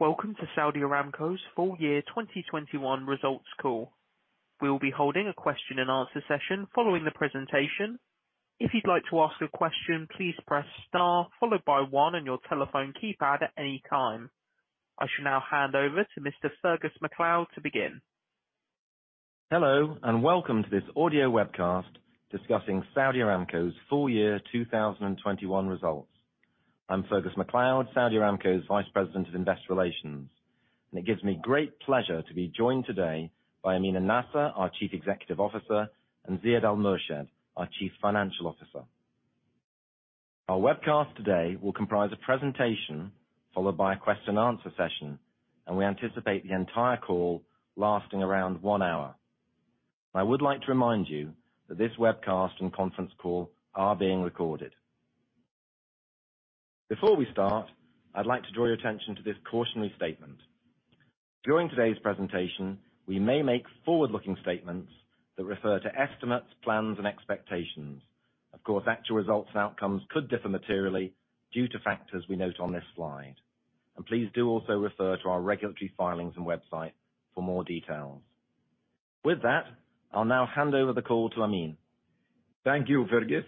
Welcome to Saudi Aramco's Full Year 2021 Results Call. We will be holding a question and answer session following the presentation. If you'd like to ask a question, please press star followed by one on your telephone keypad at any time. I shall now hand over to Mr. Fergus MacLeod to begin. Hello and welcome to this audio webcast discussing Saudi Aramco's full year 2021 results. I'm Fergus MacLeod, Saudi Aramco's Vice President of Investor Relations and it gives me great pleasure to be joined today by Amin Nasser, our Chief Executive Officer, and Ziad Al-Murshed, our Chief Financial Officer. Our webcast today will comprise a presentation followed by a question and answer session, and we anticipate the entire call lasting around one hour. I would like to remind you that this webcast and conference call are being recorded. Before we start, I'd like to draw your attention to this cautionary statement. During today's presentation, we may make forward-looking statements that refer to estimates plans and expectations. Of course, actual results and outcomes could differ materially due to factors we note on this slide. Please do also refer to our regulatory filings and website for more details. With that, I'll now hand over the call to Amin. Thank you, Fergus.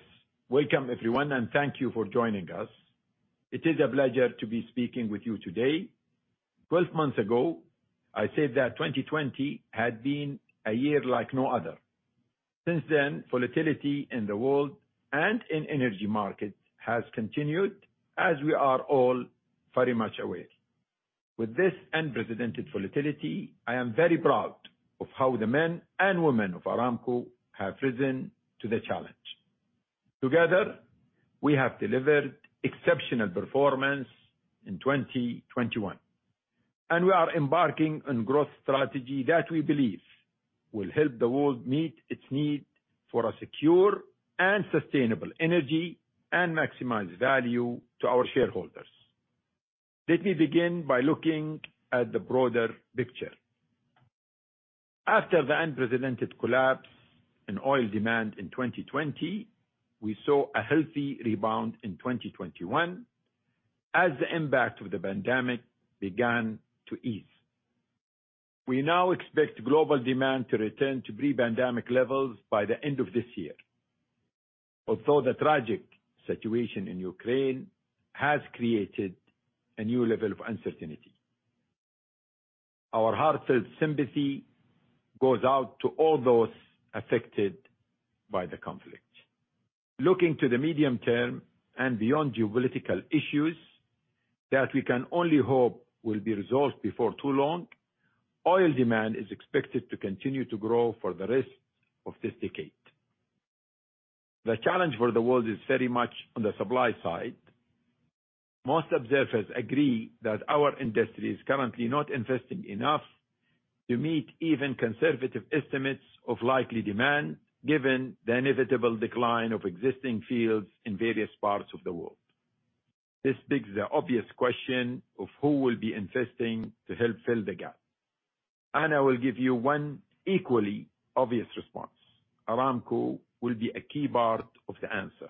Welcome everyone and thank you for joining us. It is a pleasure to be speaking with you today, 12 months ago, I said that 2020 had been a year like no other. Since then, volatility in the world and in energy markets has continued, as we are all very much aware. With this unprecedented volatility, I am very proud of how the men and women of Aramco have risen to the challenge. Together, we have delivered exceptional performance in 2021 and we are embarking on growth strategy that we believe will help the world meet its need for a secure and sustainable energy and maximize value to our shareholders. Let me begin by looking at the broader picture. After the unprecedented collapse in oil demand in 2020, we saw a healthy rebound in 2021 as the impact of the pandemic began to ease. We now expect global demand to return to pre-pandemic levels by the end of this year. Although the tragic situation in Ukraine has created a new level of uncertainty. Our heartfelt sympathy goes out to all those affected by the conflict. Looking to the medium term and beyond geopolitical issues that we can only hope will be resolved before too long, oil demand is expected to continue to grow for the rest of this decade. The challenge for the world is very much on the supply side. Most observers agree that our industry is currently not investing enough to meet even conservative estimates of likely demand, given the inevitable decline of existing fields in various parts of the world. This begs the obvious question of who will be investing to help fill the gap. I will give you one equally obvious response. Aramco will be a key part of the answer.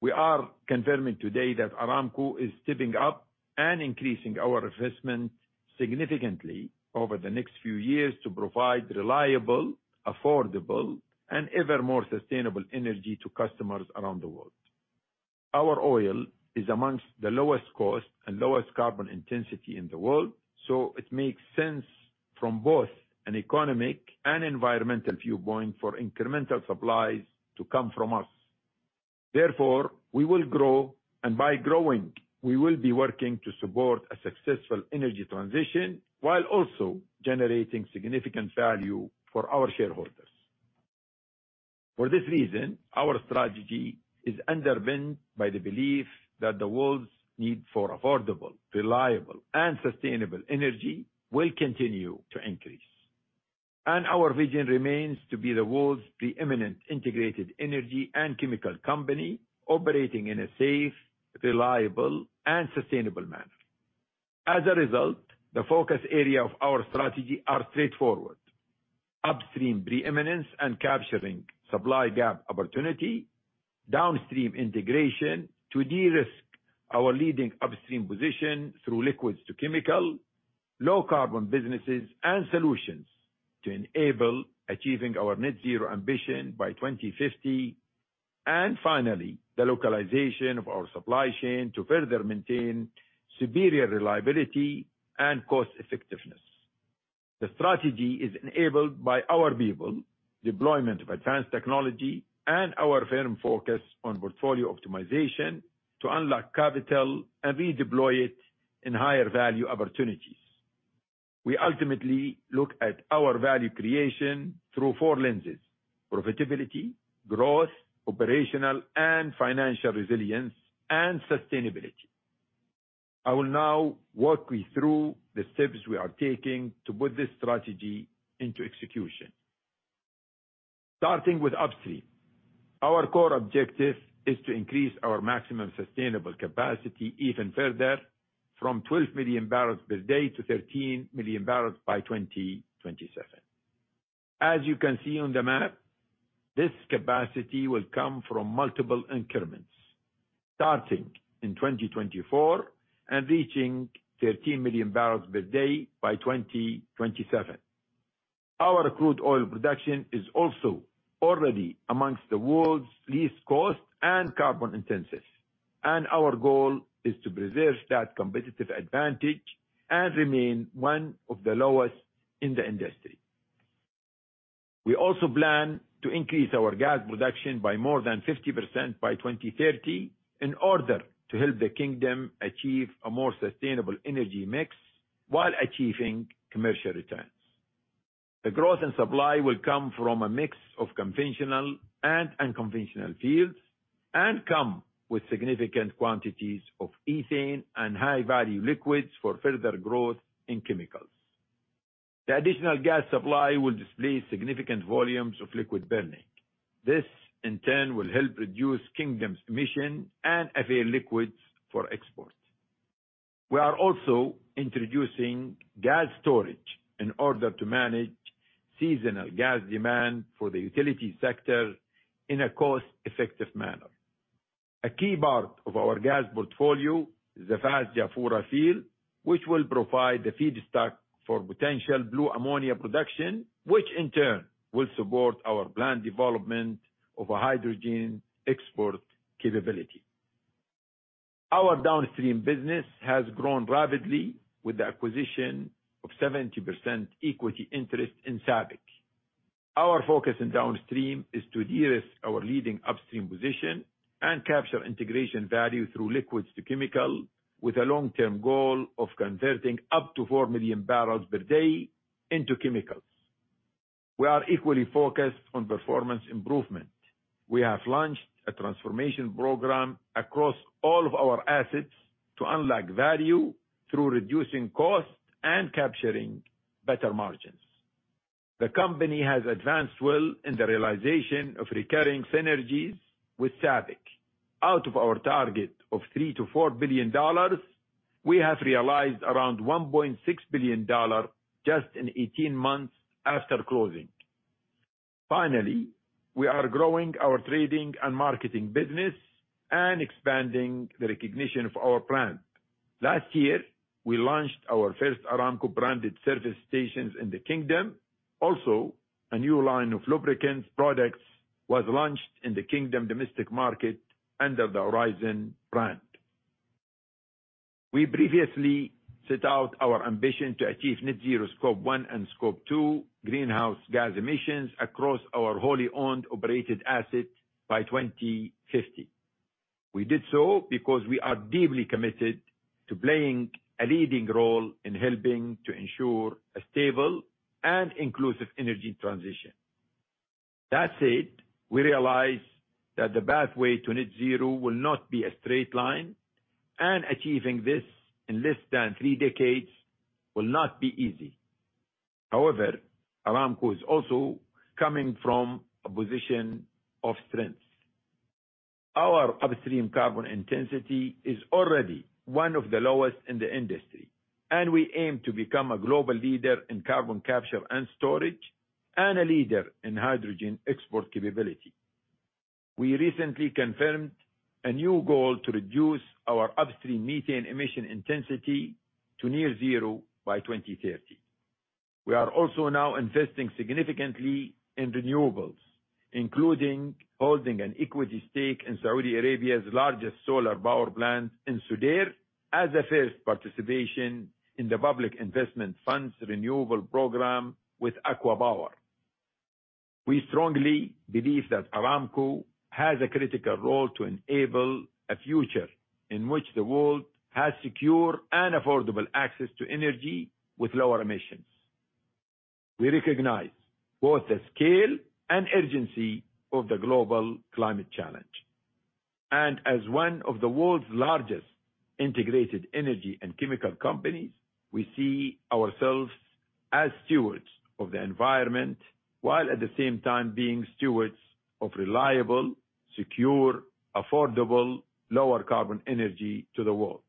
We are confirming today that Aramco is stepping up and increasing our investment significantly over the next few years to provide reliable, affordable, and ever more sustainable energy to customers around the world. Our oil is among the lowest cost and lowest carbon intensity in the world, so it makes sense from both an economic and environmental viewpoint for incremental supplies to come from us. Therefore, we will grow and by growing, we will be working to support a successful energy transition while also generating significant value for our shareholders. For this reason, our strategy is underpinned by the belief that the world's need for affordable, reliable, and sustainable energy will continue to increase. Our vision remains to be the world's preeminent integrated energy and chemical company operating in a safe, reliable, and sustainable manner. As a result, the focus area of our strategy are straightforward. Upstream preeminence and capturing supply gap opportunity, downstream integration to de-risk our leading upstream position through liquids to chemical, low carbon businesses, and solutions to enable achieving our net zero ambition by 2050. Finally, the localization of our supply chain to further maintain superior reliability and cost effectiveness. The strategy is enabled by our people, deployment of advanced technology and our firm focus on portfolio optimization to unlock capital and redeploy it in higher value opportunities. We ultimately look at our value creation through four lenses, profitability, growth, operational, and financial resilience and sustainability. I will now walk you through the steps we are taking to put this strategy into execution. Starting with upstream. Our core objective is to increase our maximum sustainable capacity even further, from 12 million barrels per day to 13 million barrels by 2027. As you can see on the map, this capacity will come from multiple increments starting in 2024 and reaching 13 million barrels per day by 2027. Our crude oil production is also already among the world's least cost and carbon-intensive and our goal is to preserve that competitive advantage and remain one of the lowest in the industry. We also plan to increase our gas production by more than 50% by 2030 in order to help the kingdom achieve a more sustainable energy mix while achieving commercial returns. The growth in supply will come from a mix of conventional and unconventional fields and come with significant quantities of ethane and high-value liquids for further growth in chemicals. The additional gas supply will displace significant volumes of liquid burning. This in turn will help reduce Kingdom's emissions and avail liquids for export. We are also introducing gas storage in order to manage seasonal gas demand for the utility sector in a cost-effective manner. A key part of our gas portfolio is the vast Jafurah field which will provide the feedstock for potential blue ammonia production, which in turn will support our planned development of a hydrogen export capability. Our downstream business has grown rapidly with the acquisition of 70% equity interest in SABIC. Our focus in downstream is to de-risk our leading upstream position and capture integration value through liquids to chemical with a long-term goal of converting up to 4 million barrels per day into chemicals. We are equally focused on performance improvement. We have launched a transformation program across all of our assets to unlock value through reducing costs and capturing better margins. The company has advanced well in the realization of recurring synergies with SABIC. Out of our target of $3 billion-$4 billion, we have realized around $1.6 billion just in 18 months after closing. Finally, we are growing our trading and marketing business and expanding the recognition of our brand. Last year, we launched our first Aramco-branded service stations in the kingdom. Also, a new line of lubricants products was launched in the kingdom domestic market under the ORIZON brand. We previously set out our ambition to achieve net zero Scope 1 and Scope 2 greenhouse gas emissions across our wholly owned operated assets by 2050. We did so because we are deeply committed to playing a leading role in helping to ensure a stable and inclusive energy transition. That said, we realize that the pathway to net zero will not be a straight line, and achieving this in less than three decades will not be easy. However, Aramco is also coming from a position of strength. Our upstream carbon intensity is already one of the lowest in the industry, and we aim to become a global leader in carbon capture and storage and a leader in hydrogen export capability. We recently confirmed a new goal to reduce our upstream methane emission intensity to near zero by 2030. We are also now investing significantly in renewables, including holding an equity stake in Saudi Arabia's largest solar power plant in Sudair as a first participation in the Public Investment Fund's renewable program with ACWA Power. We strongly believe that Aramco has a critical role to enable a future in which the world has secure and affordable access to energy with lower emissions. We recognize both the scale and urgency of the global climate challenge. As one of the world's largest integrated energy and chemical companies, we see ourselves as stewards of the environment, while at the same time being stewards of reliable, secure, affordable, lower carbon energy to the world.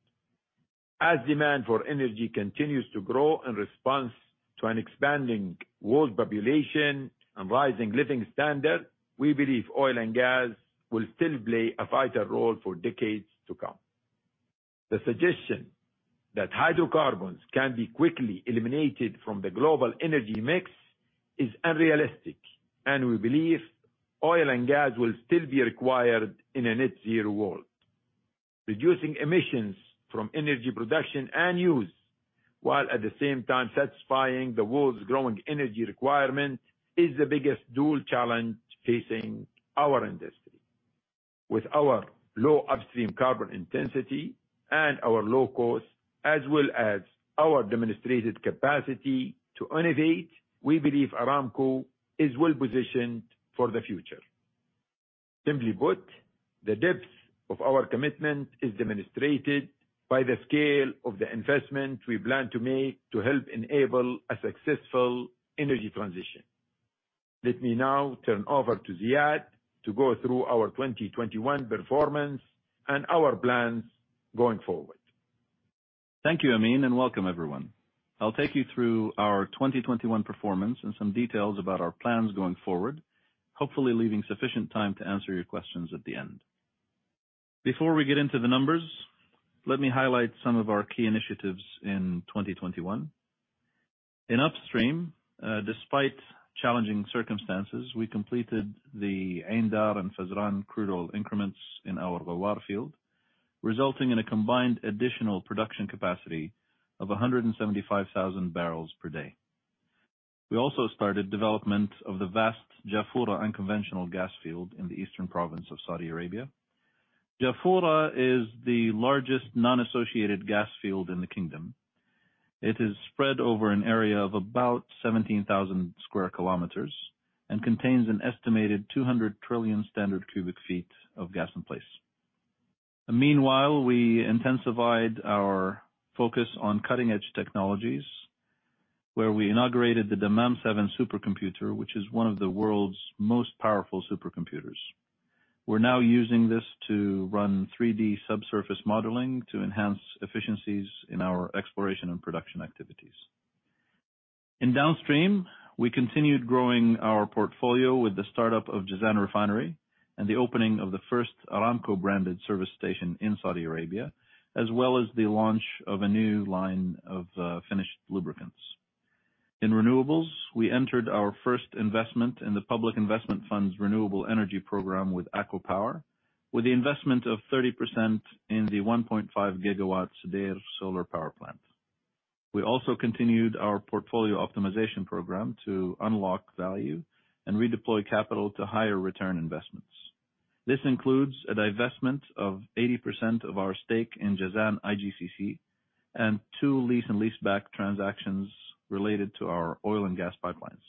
As demand for energy continues to grow in response to an expanding world population and rising living standard, we believe oil and gas will still play a vital role for decades to come. The suggestion that hydrocarbons can be quickly eliminated from the global energy mix is unrealistic and we believe oil and gas will still be required in a net zero world. Reducing emissions from energy production and use, while at the same time satisfying the world's growing energy requirement, is the biggest dual challenge facing our industry. With our low upstream carbon intensity and our low cost, as well as our demonstrated capacity to innovate, we believe Aramco is well positioned for the future. Simply put, the depth of our commitment is demonstrated by the scale of the investment we plan to make to help enable a successful energy transition. Let me now turn over to Ziad to go through our 2021 performance and our plans going forward. Thank you, Amin and welcome everyone. I'll take you through our 2021 performance and some details about our plans going forward, hopefully leaving sufficient time to answer your questions at the end. Before we get into the numbers, let me highlight some of our key initiatives in 2021. In upstream, despite challenging circumstances, we completed the 'Ain Dar and Fazran crude oil increments in our Ghawar field, resulting in a combined additional production capacity of 175,000 barrels per day. We also started development of the vast Jafurah unconventional gas field in the eastern province of Saudi Arabia. Jafurah is the largest non-associated gas field in the kingdom. It is spread over an area of about 17,000 sq km and contains an estimated 200 trillion standard cubic feet of gas in place. Meanwhile, we intensified our focus on cutting-edge technologies, where we inaugurated the Dammam 7 supercomputer which is one of the world's most powerful supercomputers. We're now using this to run 3D subsurface modeling to enhance efficiencies in our exploration and production activities. In Downstream, we continued growing our portfolio with the startup of Jazan Refinery and the opening of the first Aramco-branded service station in Saudi Arabia, as well as the launch of a new line of finished lubricants. In Renewables, we entered our first investment in the Public Investment Fund's renewable energy program with ACWA Power, with the investment of 30% in the 1.5 GW Sudair solar power plant. We also continued our portfolio optimization program to unlock value and redeploy capital to higher return investments. This includes a divestment of 80% of our stake in Jazan IGCC and two lease and leaseback transactions related to our oil and gas pipelines.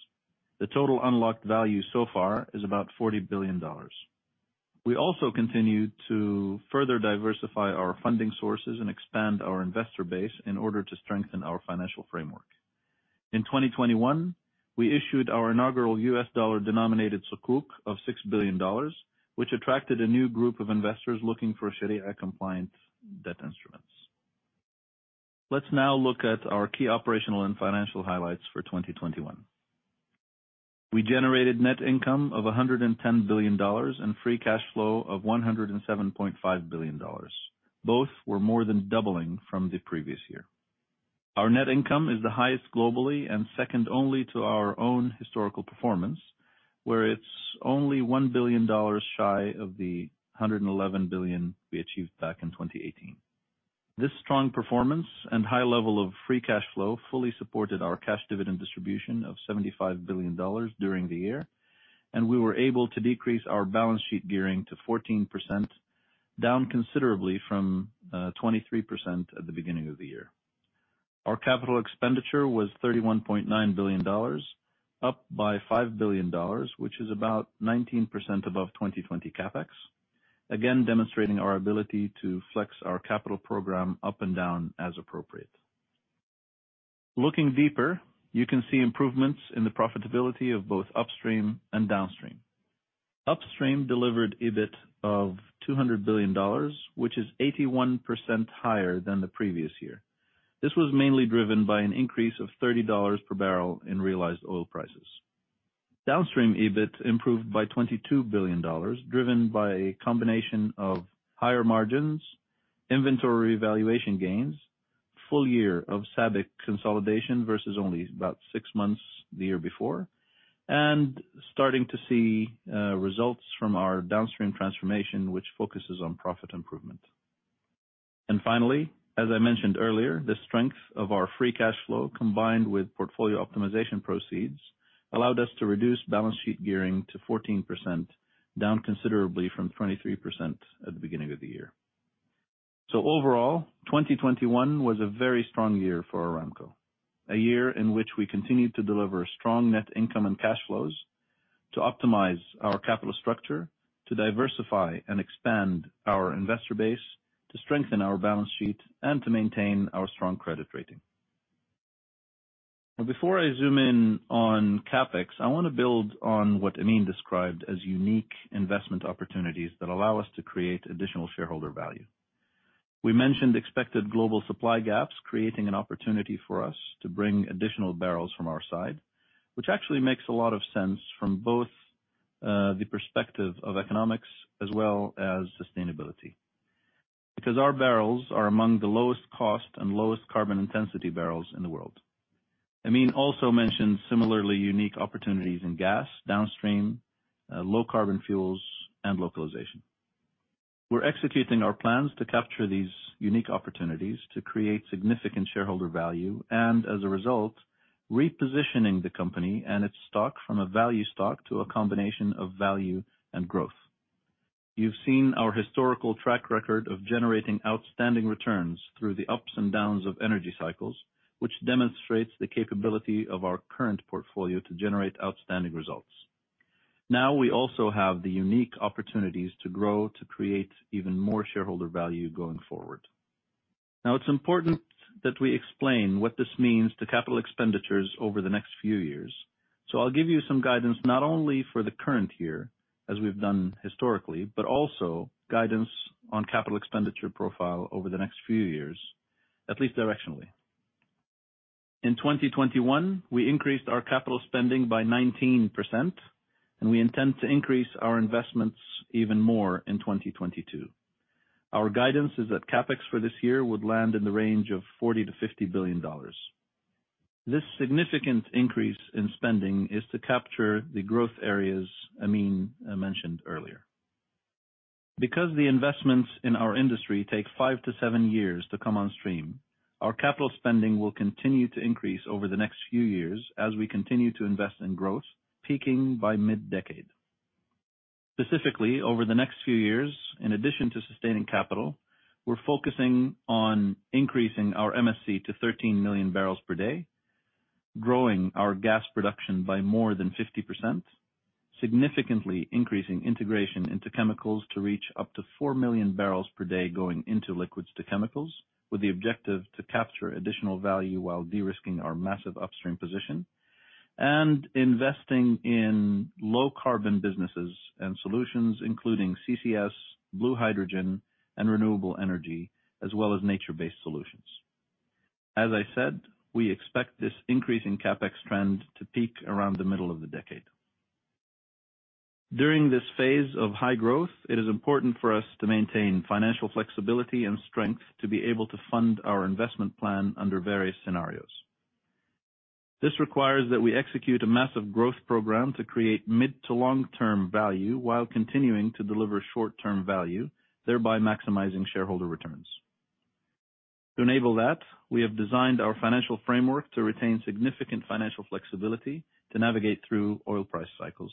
The total unlocked value so far is about $40 billion. We also continued to further diversify our funding sources and expand our investor base in order to strengthen our financial framework. In 2021, we issued our inaugural U.S. dollar-denominated Sukuk of $6 billion which attracted a new group of investors looking for Sharia-compliant debt instruments. Let's now look at our key operational and financial highlights for 2021. We generated net income of $110 billion and free cash flow of $107.5 billion. Both were more than doubling from the previous year. Our net income is the highest globally and second only to our own historical performance, where it's only $1 billion shy of the $111 billion we achieved back in 2018. This strong performance and high level of free cash flow fully supported our cash dividend distribution of $75 billion during the year and we were able to decrease our balance sheet gearing to 14% down considerably from 23% at the beginning of the year. Our capital expenditure was $31.9 billion, up by $5 billion, which is about 19% above 2020 CapEx, again demonstrating our ability to flex our capital program up and down as appropriate. Looking deeper, you can see improvements in the profitability of both Upstream and Downstream. Upstream delivered EBIT of $200 billion which is 81% higher than the previous year. This was mainly driven by an increase of $30 per barrel in realized oil prices. Downstream EBIT improved by $22 billion, driven by a combination of higher margins, inventory valuation gains, full year of SABIC consolidation versus only about six months the year before, and starting to see results from our downstream transformation, which focuses on profit improvement. Finally, as I mentioned earlier, the strength of our free cash flow combined with portfolio optimization proceeds, allowed us to reduce balance sheet gearing to 14%, down considerably from 23% at the beginning of the year. Overall, 2021 was a very strong year for Aramco, a year in which we continued to deliver strong net income and cash flows to optimize our capital structure, to diversify and expand our investor base, to strengthen our balance sheet, and to maintain our strong credit rating. Now, before I zoom in on CapEx, I wanna build on what Amin described as unique investment opportunities that allow us to create additional shareholder value. We mentioned expected global supply gaps, creating an opportunity for us to bring additional barrels from our side, which actually makes a lot of sense from both the perspective of economics as well as sustainability. Because our barrels are among the lowest cost and lowest carbon intensity barrels in the world. Amin also mentioned similarly unique opportunities in gas, downstream, low carbon fuels, and localization. We're executing our plans to capture these unique opportunities to create significant shareholder value and as a result, repositioning the company and its stock from a value stock to a combination of value and growth. You've seen our historical track record of generating outstanding returns through the ups and downs of energy cycles, which demonstrates the capability of our current portfolio to generate outstanding results. Now, we also have the unique opportunities to grow to create even more shareholder value going forward. Now, it's important that we explain what this means to capital expenditures over the next few years. I'll give you some guidance not only for the current year, as we've done historically, but also guidance on capital expenditure profile over the next few years, at least directionally. In 2021, we increased our capital spending by 19%, and we intend to increase our investments even more in 2022. Our guidance is that CapEx for this year would land in the range of $40 billion-$50 billion. This significant increase in spending is to capture the growth areas Amin mentioned earlier. Because the investments in our industry take five-seven years to come on stream, our capital spending will continue to increase over the next few years as we continue to invest in growth, peaking by mid-decade. Specifically, over the next few years, in addition to sustaining capital, we're focusing on increasing our MSC to 13 million barrels per day, growing our gas production by more than 50%, significantly increasing integration into chemicals to reach up to 4 million barrels per day going into liquids to chemicals with the objective to capture additional value while de-risking our massive upstream position, and investing in low-carbon businesses and solutions, including CCS, blue hydrogen, and renewable energy, as well as nature-based solutions. As I said, we expect this increase in CapEx trend to peak around the middle of the decade. During this phase of high growth, it is important for us to maintain financial flexibility and strength to be able to fund our investment plan under various scenarios. This requires that we execute a massive growth program to create mid- to long-term value while continuing to deliver short-term value, thereby maximizing shareholder returns. To enable that, we have designed our financial framework to retain significant financial flexibility to navigate through oil price cycles.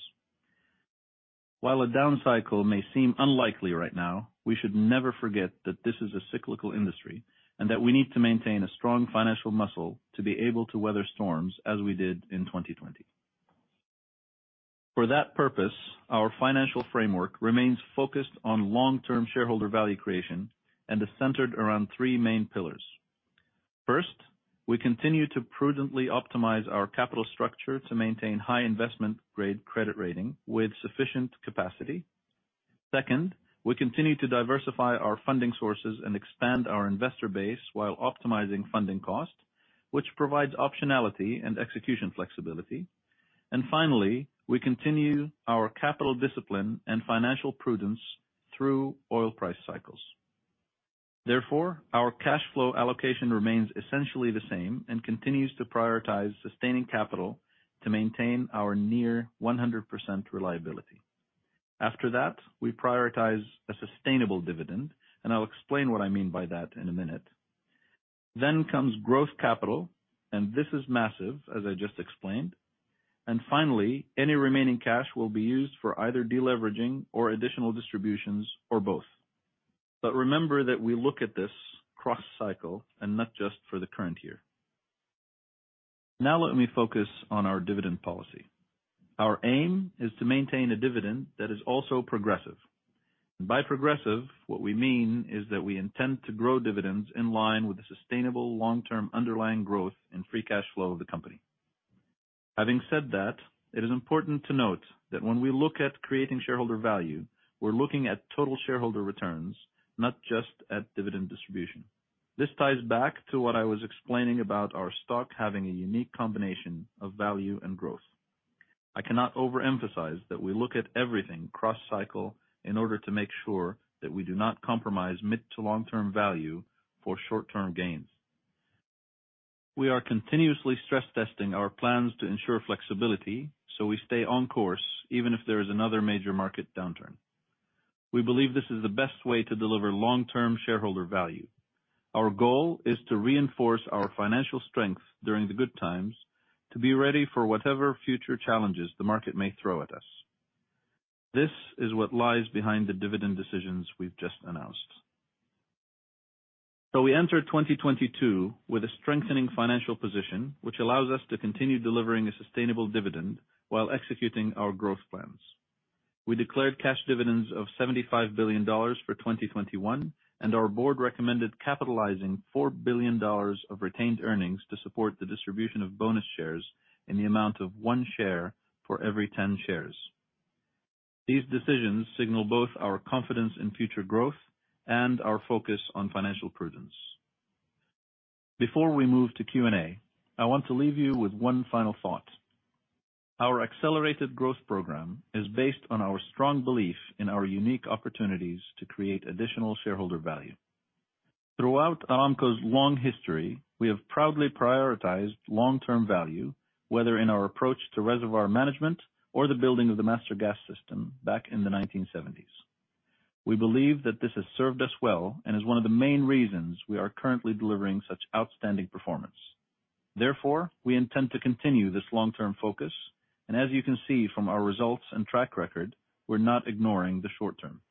While a down cycle may seem unlikely right now, we should never forget that this is a cyclical industry and that we need to maintain a strong financial muscle to be able to weather storms as we did in 2020. For that purpose, our financial framework remains focused on long-term shareholder value creation and is centered around three main pillars. First, we continue to prudently optimize our capital structure to maintain high investment grade credit rating with sufficient capacity. Second, we continue to diversify our funding sources and expand our investor base while optimizing funding cost, which provides optionality and execution flexibility. Finally, we continue our capital discipline and financial prudence through oil price cycles. Therefore, our cash flow allocation remains essentially the same and continues to prioritize sustaining capital to maintain our near 100% reliability. After that, we prioritize a sustainable dividend and I'll explain what I mean by that in a minute. Comes growth capital, and this is massive, as I just explained. Finally, any remaining cash will be used for either deleveraging or additional distributions or both. Remember that we look at this cross-cycle and not just for the current year. Now let me focus on our dividend policy. Our aim is to maintain a dividend that is also progressive. By progressive, what we mean is that we intend to grow dividends in line with the sustainable long-term underlying growth and free cash flow of the company. Having said that, it is important to note that when we look at creating shareholder value, we're looking at total shareholder returns, not just at dividend distribution. This ties back to what I was explaining about our stock having a unique combination of value and growth. I cannot overemphasize that we look at everything cross-cycle in order to make sure that we do not compromise mid to long-term value for short-term gains. We are continuously stress-testing our plans to ensure flexibility, so we stay on course even if there is another major market downturn. We believe this is the best way to deliver long-term shareholder value. Our goal is to reinforce our financial strength during the good times to be ready for whatever future challenges the market may throw at us. This is what lies behind the dividend decisions we've just announced. We enter 2022 with a strengthening financial position which allows us to continue delivering a sustainable dividend while executing our growth plans. We declared cash dividends of $75 billion for 2021, and our board recommended capitalizing $4 billion of retained earnings to support the distribution of bonus shares in the amount of one share for every 10 shares. These decisions signal both our confidence in future growth and our focus on financial prudence. Before we move to Q&A, I want to leave you with one final thought. Our accelerated growth program is based on our strong belief in our unique opportunities to create additional shareholder value. Throughout Aramco's long history, we have proudly prioritized long-term value, whether in our approach to reservoir management or the building of the Master Gas System back in the 1970s. We believe that this has served us well and is one of the main reasons we are currently delivering such outstanding performance. Therefore, we intend to continue this long-term focus. As you can see from our results and track record, we're not ignoring the short term.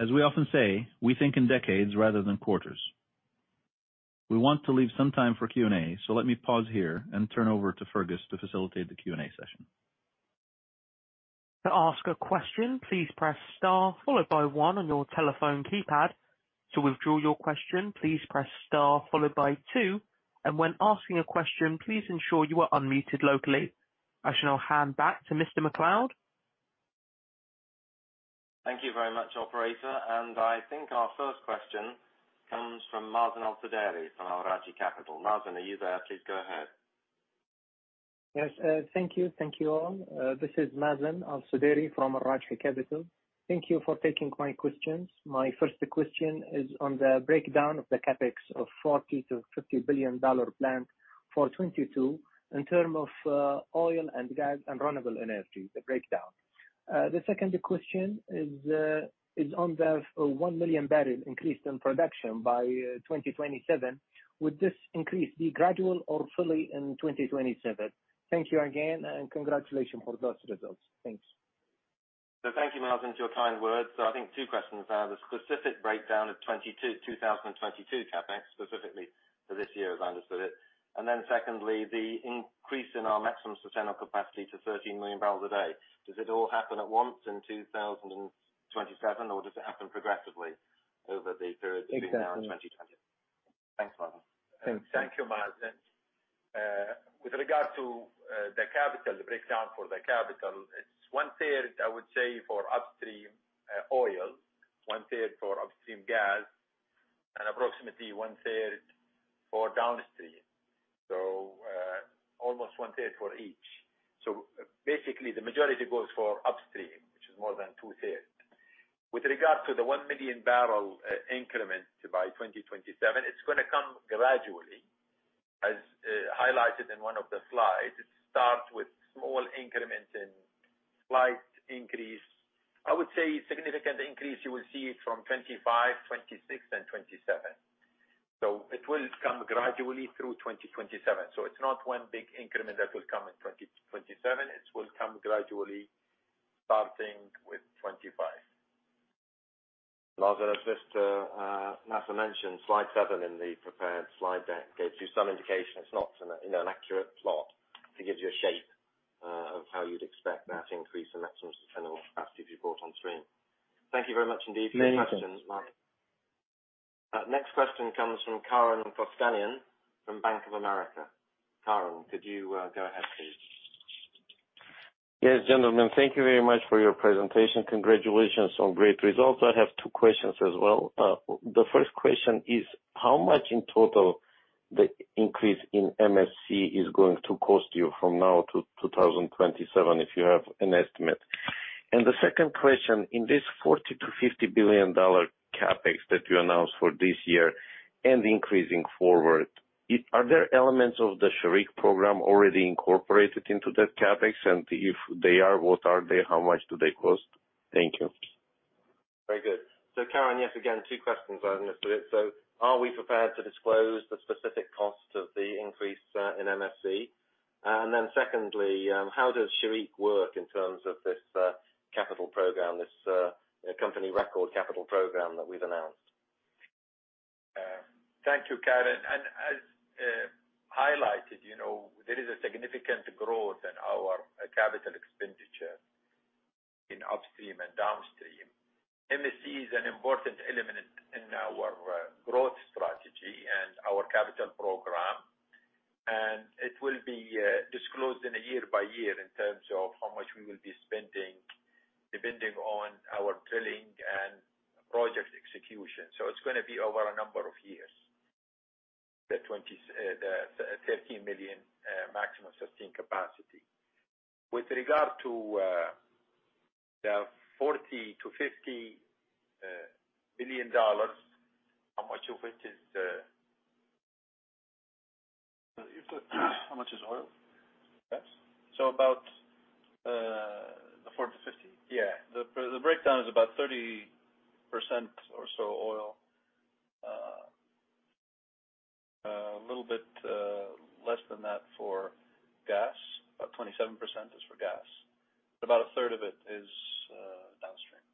As we often say, we think in decades rather than quarters. We want to leave some time for Q&A, so let me pause here and turn over to Fergus to facilitate the Q&A session. To ask a question, please press star followed by one on your telephone keypad. To withdraw your question, please press star followed by two. When asking a question, please ensure you are unmuted locally. I shall now hand back to Mr. MacLeod. Thank you very much, operator. I think our first question comes from Mazen Al-Sudairi from Al Rajhi Capital. Mazen, are you there? Please go ahead. Yes, thank you. Thank you all. This is Mazen Al-Sudairi from Al Rajhi Capital. Thank you for taking my questions. My first question is on the breakdown of the CapEx of $40 billion-$50 billion plan for 2022 in terms of oil and gas and renewable energy, the breakdown. The second question is on the 1 million barrel increase in production by 2027. Would this increase be gradual or fully in 2027? Thank you again and congratulations for those results. Thanks. Thank you, Mazen, for your kind words. I think two questions. The specific breakdown of 2022 CapEx, specifically for this year, as I understood it. Then secondly, the increase in our maximum sustainable capacity to 13 million barrels a day. Does it all happen at once in 2027, or does it happen progressively over the period between now and 2027? Exactly. Thanks, Mazen. Thanks. Thank you, Mazen. With regard to the capital, the breakdown for the capital, it's 1/3, I would say, for upstream oil, 1/3 for upstream gas, and approximately 1/3 for downstream, almost 1/3 for each. Basically the majority goes for upstream which is more than 2/3. With regard to the 1 million barrel increment by 2027, it's gonna come gradually. As highlighted in one of the slides, it starts with small increments and slight increase. I would say significant increase you will see from 2025, 2026 and 2027. It will come gradually through 2027. It's not one big increment that will come in 2027. It will come gradually, starting with 2025. Mazen, as Mr. Nasser mentioned, slide seven in the prepared slide deck gives you some indication. It's not, you know, an accurate plot. It gives you a shape of how you'd expect that increase in maximum sustainable capacity to be brought on stream. Thank you very much indeed for your question. Many thanks. Next question comes from Karen Kostanian from Bank of America. Karen, could you go ahead, please? Yes, gentlemen. Thank you very much for your presentation. Congratulations on great results. I have two questions as well. The first question is how much in total the increase in MSC is going to cost you from now to 2027, if you have an estimate. The second question, in this $40 billion-$50 billion CapEx that you announced for this year and increasing forward, are there elements of the Shareek Program already incorporated into that CapEx? If they are, what are they? How much do they cost? Thank you. Very good. Karen, yes, again, two questions as I understood it. Are we prepared to disclose the specific cost of the increase in MSC? Then secondly, how does Shareek work in terms of this capital program, this company record capital program that we've announced? Thank you, Karen. As highlighted, you know, there is a significant growth in our capital expenditure in upstream and downstream. MSC is an important element in our growth strategy and our capital program and it will be disclosed year by year in terms of how much we will be spending, depending on our drilling and project execution. It's gonna be over a number of years, the 30 million maximum sustained capacity. With regard to the $40 billion-$50 billion, how much of it is? You put, how much is oil? Yes. About- The 40-50? Yeah. The breakdown is about 30% or so oil. A little bit less than that for gas, about 27% is for gas, about a third of it is downstream.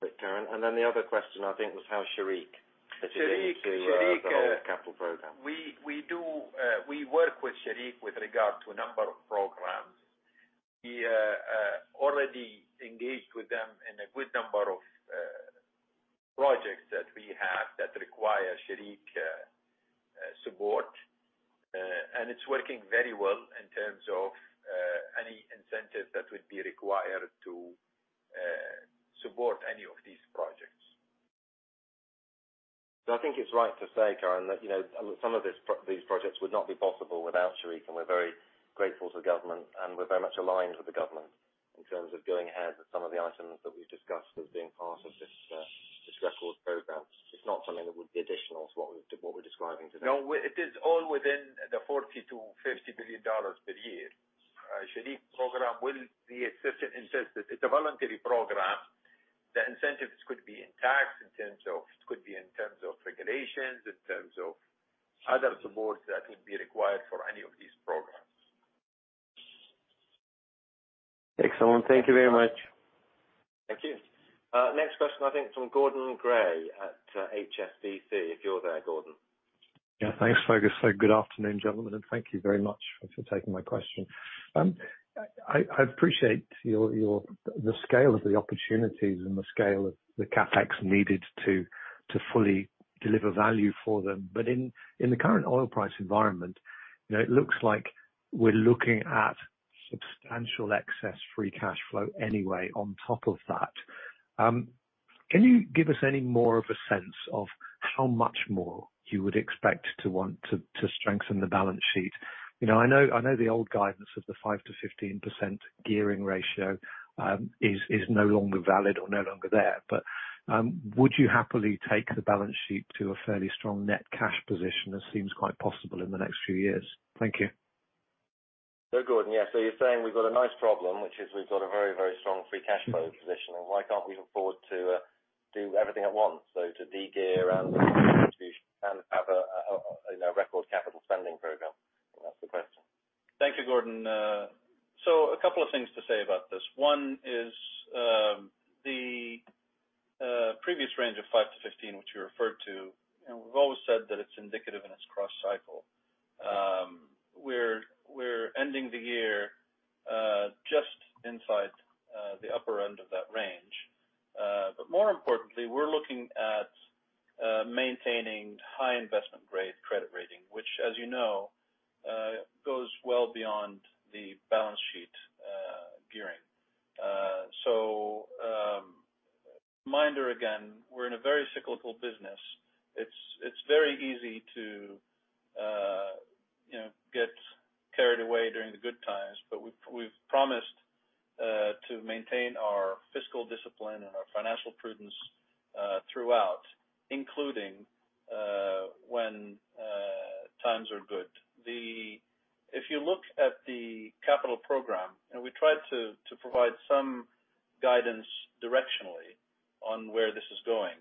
Great, Karen. The other question, I think, was how Shareek- Shareek. Fits into the whole capital program. We work with Shareek with regard to a number of programs. We already engaged with them in a good number of projects that we have that require Shareek support. It's working very well in terms of any incentives that would be required to support any of these projects. I think it's right to say, Karen, that, you know, some of these projects would not be possible without Shareek and we're very grateful to the government, and we're very much aligned with the government in terms of going ahead with some of the items that we've discussed as being part of this Shareek program. It's not something that would be additional to what we're describing today. No. It is all within the $40 billion-$50 billion per year. Shareek Program will be a certain incentive. It's a voluntary program. The incentives could be in tax in terms of regulations, in terms of other supports that would be required for any of these programs. Excellent. Thank you very much. Thank you. Next question, I think from Gordon Gray at HSBC, if you're there, Gordon. Yeah. Thanks, Fergus. Good afternoon, gentlemen and thank you very much for taking my question. I appreciate the scale of the opportunities and the scale of the CapEx needed to fully deliver value for them. In the current oil price environment, you know, it looks like we're looking at substantial excess free cash flow anyway on top of that. Can you give us any more of a sense of how much more you would expect to want to strengthen the balance sheet? You know, I know the old guidance of the 5%-15% gearing ratio is no longer valid or no longer there. Would you happily take the balance sheet to a fairly strong net cash position? That seems quite possible in the next few years. Thank you. Gordon, yeah. You're saying we've got a nice problem, which is we've got a very, very strong free cash flow position, and why can't we afford to do everything at once, so to de-gear and have a you know, record capital spending program? That's the question. Thank you, Gordon. A couple of things to say about this. One is, the previous range of 5%-15% which you referred to, and we've always said that it's indicative and it's cross-cycle. We're ending the year just inside the upper end of that range. More importantly, we're looking at maintaining high investment-grade credit rating, which as you know, goes well beyond the balance sheet gearing. Reminder again, we're in a very cyclical business. It's very easy to, you know, get carried away during the good times. We've promised to maintain our fiscal discipline and our financial prudence throughout, including when times are good. If you look at the capital program, we tried to provide some guidance directionally on where this is going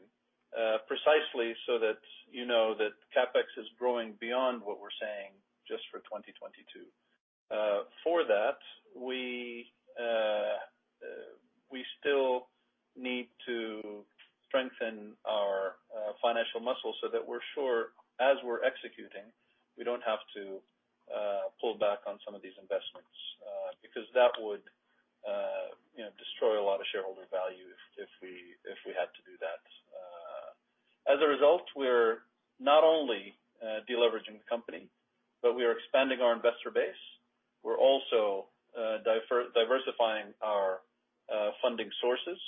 precisely so that you know that CapEx is growing beyond what we're saying just for 2022. For that, we still need to strengthen our financial muscle so that we're sure as we're executing, we don't have to pull back on some of these investments because that would, you know, destroy a lot of shareholder value if we had to do that. As a result, we're not only deleveraging the company, but we are expanding our investor base. We're also diversifying our funding sources.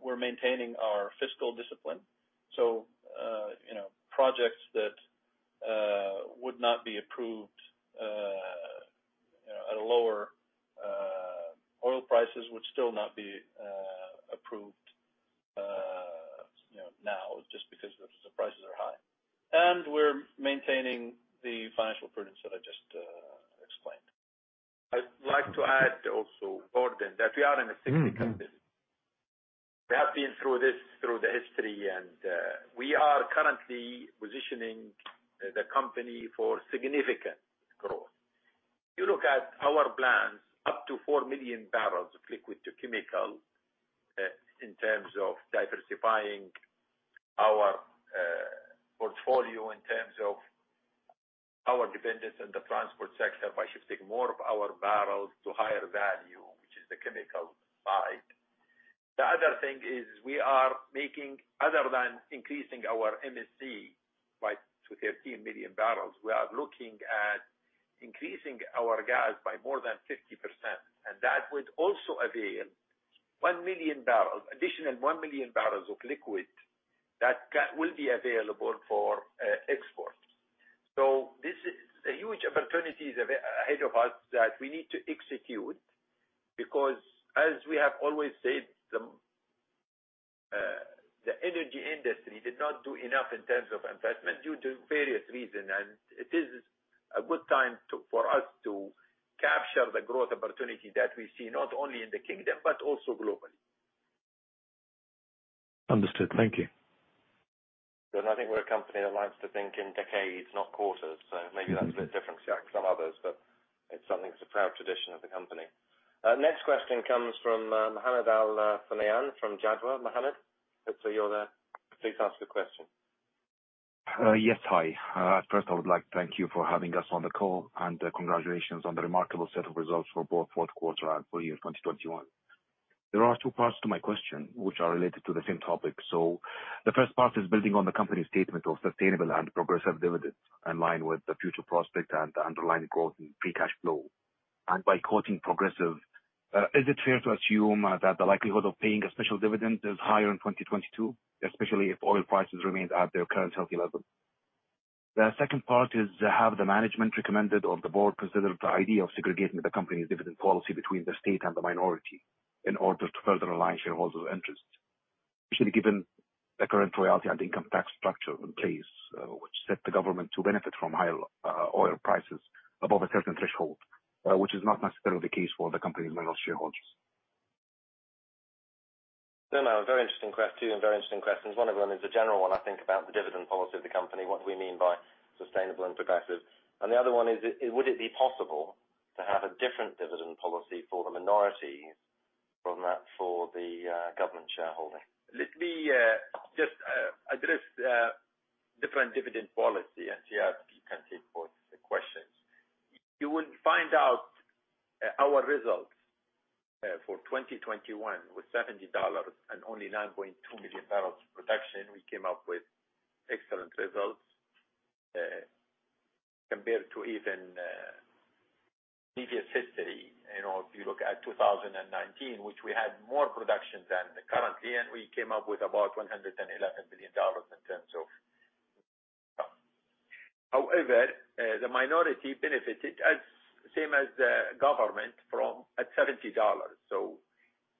We're maintaining our fiscal discipline. You know, projects that would not be approved, you know, at lower oil prices would still not be approved, you know, now just because the prices are high. We're maintaining the financial prudence that I just explained. I'd like to add also, Gordon, that we are in a cyclical business. We have been through this, through the history, and we are currently positioning the company for significant growth. If you look at our plans, up to 4 million barrels of liquids to chemical, in terms of diversifying our portfolio, in terms of our dependence on the transport sector by shifting more of our barrels to higher value, which is the chemical side. The other thing is we are making, other than increasing our MSC by 13 million barrels, we are looking at increasing our gas by more than 50% and that would also avail 1 million barrels, additional 1 million barrels of liquid that will be available for export. This is a huge opportunities ahead of us that we need to execute because as we have always said, the energy industry did not do enough in terms of investment due to various reason. It is a good time for us to capture the growth opportunity that we see not only in the kingdom but also globally. Understood. Thank you. I think we're a company that likes to think in decades, not quarters. Maybe that's a bit different from some others, but it's something that's a proud tradition of the company. Next question comes from Mohammed Al-Thunayan from Jadwa. Mohammed, if you're there, please ask your question. Yes. Hi. First I would like to thank you for having us on the call and, congratulations on the remarkable set of results for both fourth quarter and full year 2021. There are two parts to my question which are related to the same topic. The first part is building on the company's statement of sustainable and progressive dividends in line with the future prospect and the underlying growth in free cash flow. By quoting progressive, is it fair to assume that the likelihood of paying a special dividend is higher in 2022, especially if oil prices remains at their current healthy level? The second part is, have the management recommended or the board considered the idea of segregating the company's dividend policy between the state and the minority in order to further align shareholders' interests, especially given the current royalty and income tax structure in place, which set the government to benefit from high, oil prices above a certain threshold, which is not necessarily the case for the company's minority shareholders? No, no. Very interesting. Two very interesting questions. One of them is a general one, I think, about the dividend policy of the company, what we mean by sustainable and progressive. The other one is, would it be possible to have a different dividend policy for the minority from that for the government shareholding? Let me just address the different dividend policy and Ziad can take both the questions. You will find out our results for 2021 with $70 and only 9.2 million barrels production. We came up with excellent results compared to even previous history. You know, if you look at 2019 which we had more production than currently and we came up with about $111 billion in terms of- Yeah. However, the minority benefited the same as the government from $70.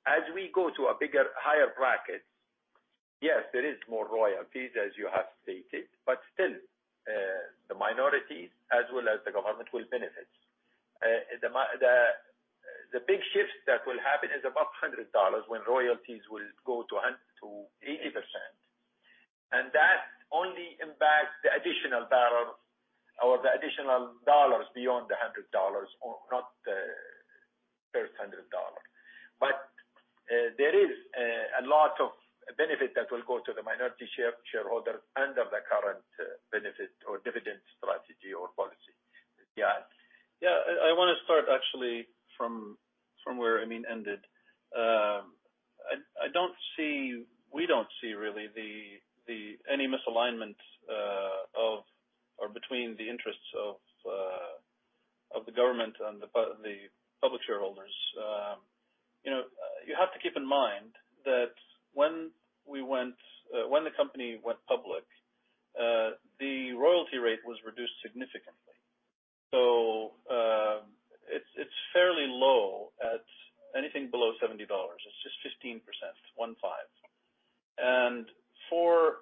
As we go to a bigger, higher bracket, yes, there is more royalties, as you have stated, but still, the minorities as well as the government will benefit. The big shifts that will happen is above $100 when royalties will go to 80%. That only impacts the additional barrels or the additional dollars beyond the $100 and not the first $100. There is a lot of benefit that will go to the minority shareholders under the current benefit or dividend strategy or policy. Yeah. Yeah. I wanna start actually from where Amin ended. We don't see really any misalignment of or between the interests of the government and the public shareholders. You know, you have to keep in mind that when the company went public, the royalty rate was reduced significantly. It's fairly low at anything below $70. It's just 15%, 1-5. For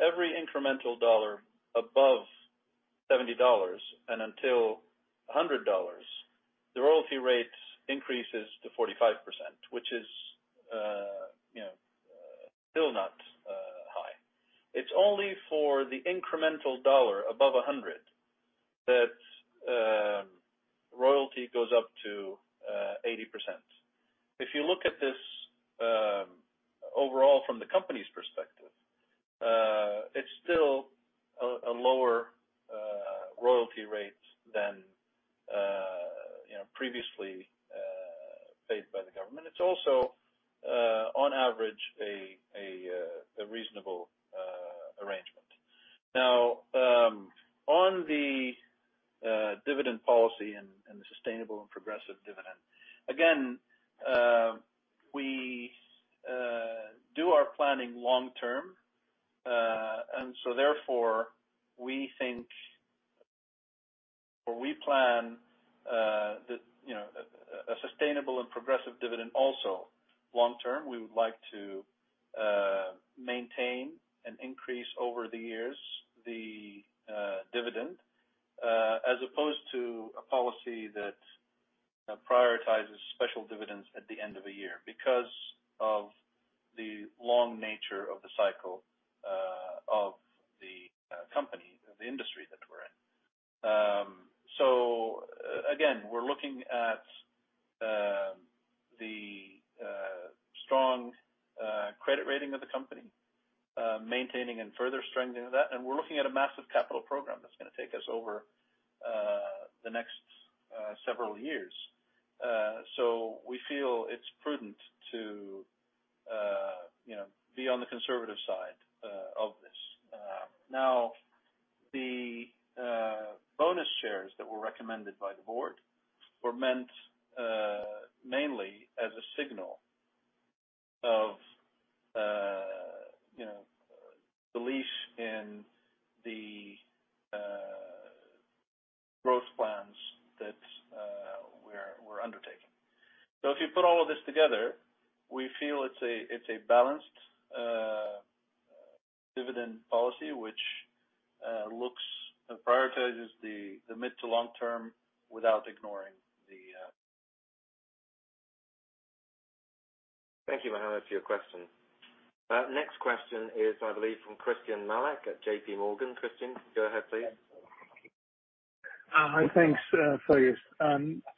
every incremental dollar above $70 and until $100, the royalty rate increases to 45%, which is, you know, still not high. It's only for the incremental dollar above $100 that royalty goes up to 80%. If you look at this, overall from the company's perspective, it's still a lower royalty rate than, you know, previously paid by the government. It's also, on average, a reasonable arrangement. Now, on the dividend policy and the sustainable and progressive dividend, again, we do our planning long term. We think or we plan the, you know, a sustainable and progressive dividend also long term. We would like to maintain and increase over the years the dividend as opposed to a policy that prioritizes special dividends at the end of a year because of the long nature of the cycle of the company, the industry that we're in. Again, we're looking at the strong credit rating of the company, maintaining and further strengthening that. We're looking at a massive capital program that's gonna take us over the next several years. We feel it's prudent to you know, be on the conservative side of this. Now, the bonus shares that were recommended by the board were meant mainly as a signal of you know, belief in the growth plans that we're undertaking. If you put all of this together, we feel it's a balanced dividend policy which looks and prioritizes the mid to long term without ignoring the Thank you, Mohammed, for your question. Next question is, I believe, from Christyan Malek at JPMorgan. Christyan, go ahead, please. Thanks, Fergus.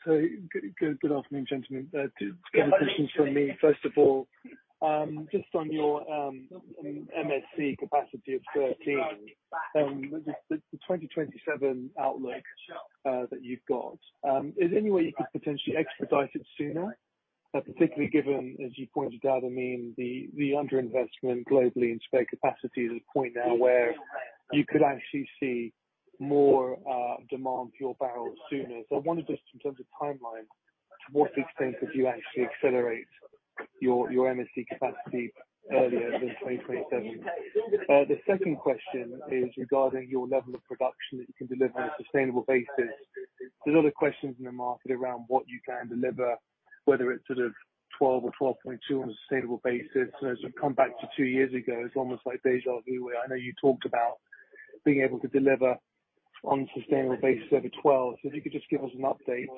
Good afternoon, gentlemen. Two quick questions from me. First of all, just on your MSC capacity of 13, the 2027 outlook that you've got, is there any way you could potentially expedite it sooner? Particularly given, as you pointed out, I mean, the underinvestment globally in spare capacity is at a point now where you could actually see more demand for your barrels sooner. I wanted just in terms of timeline, to what extent could you actually accelerate your MSC capacity earlier than 2027? The second question is regarding your level of production that you can deliver on a sustainable basis. There's other questions in the market around what you can deliver, whether it's sort of 12 or 12.2 on a sustainable basis. As we come back to two years ago, it's almost like déjà vu, where I know you talked about being able to deliver on sustainable basis over 12. If you could just give us an update,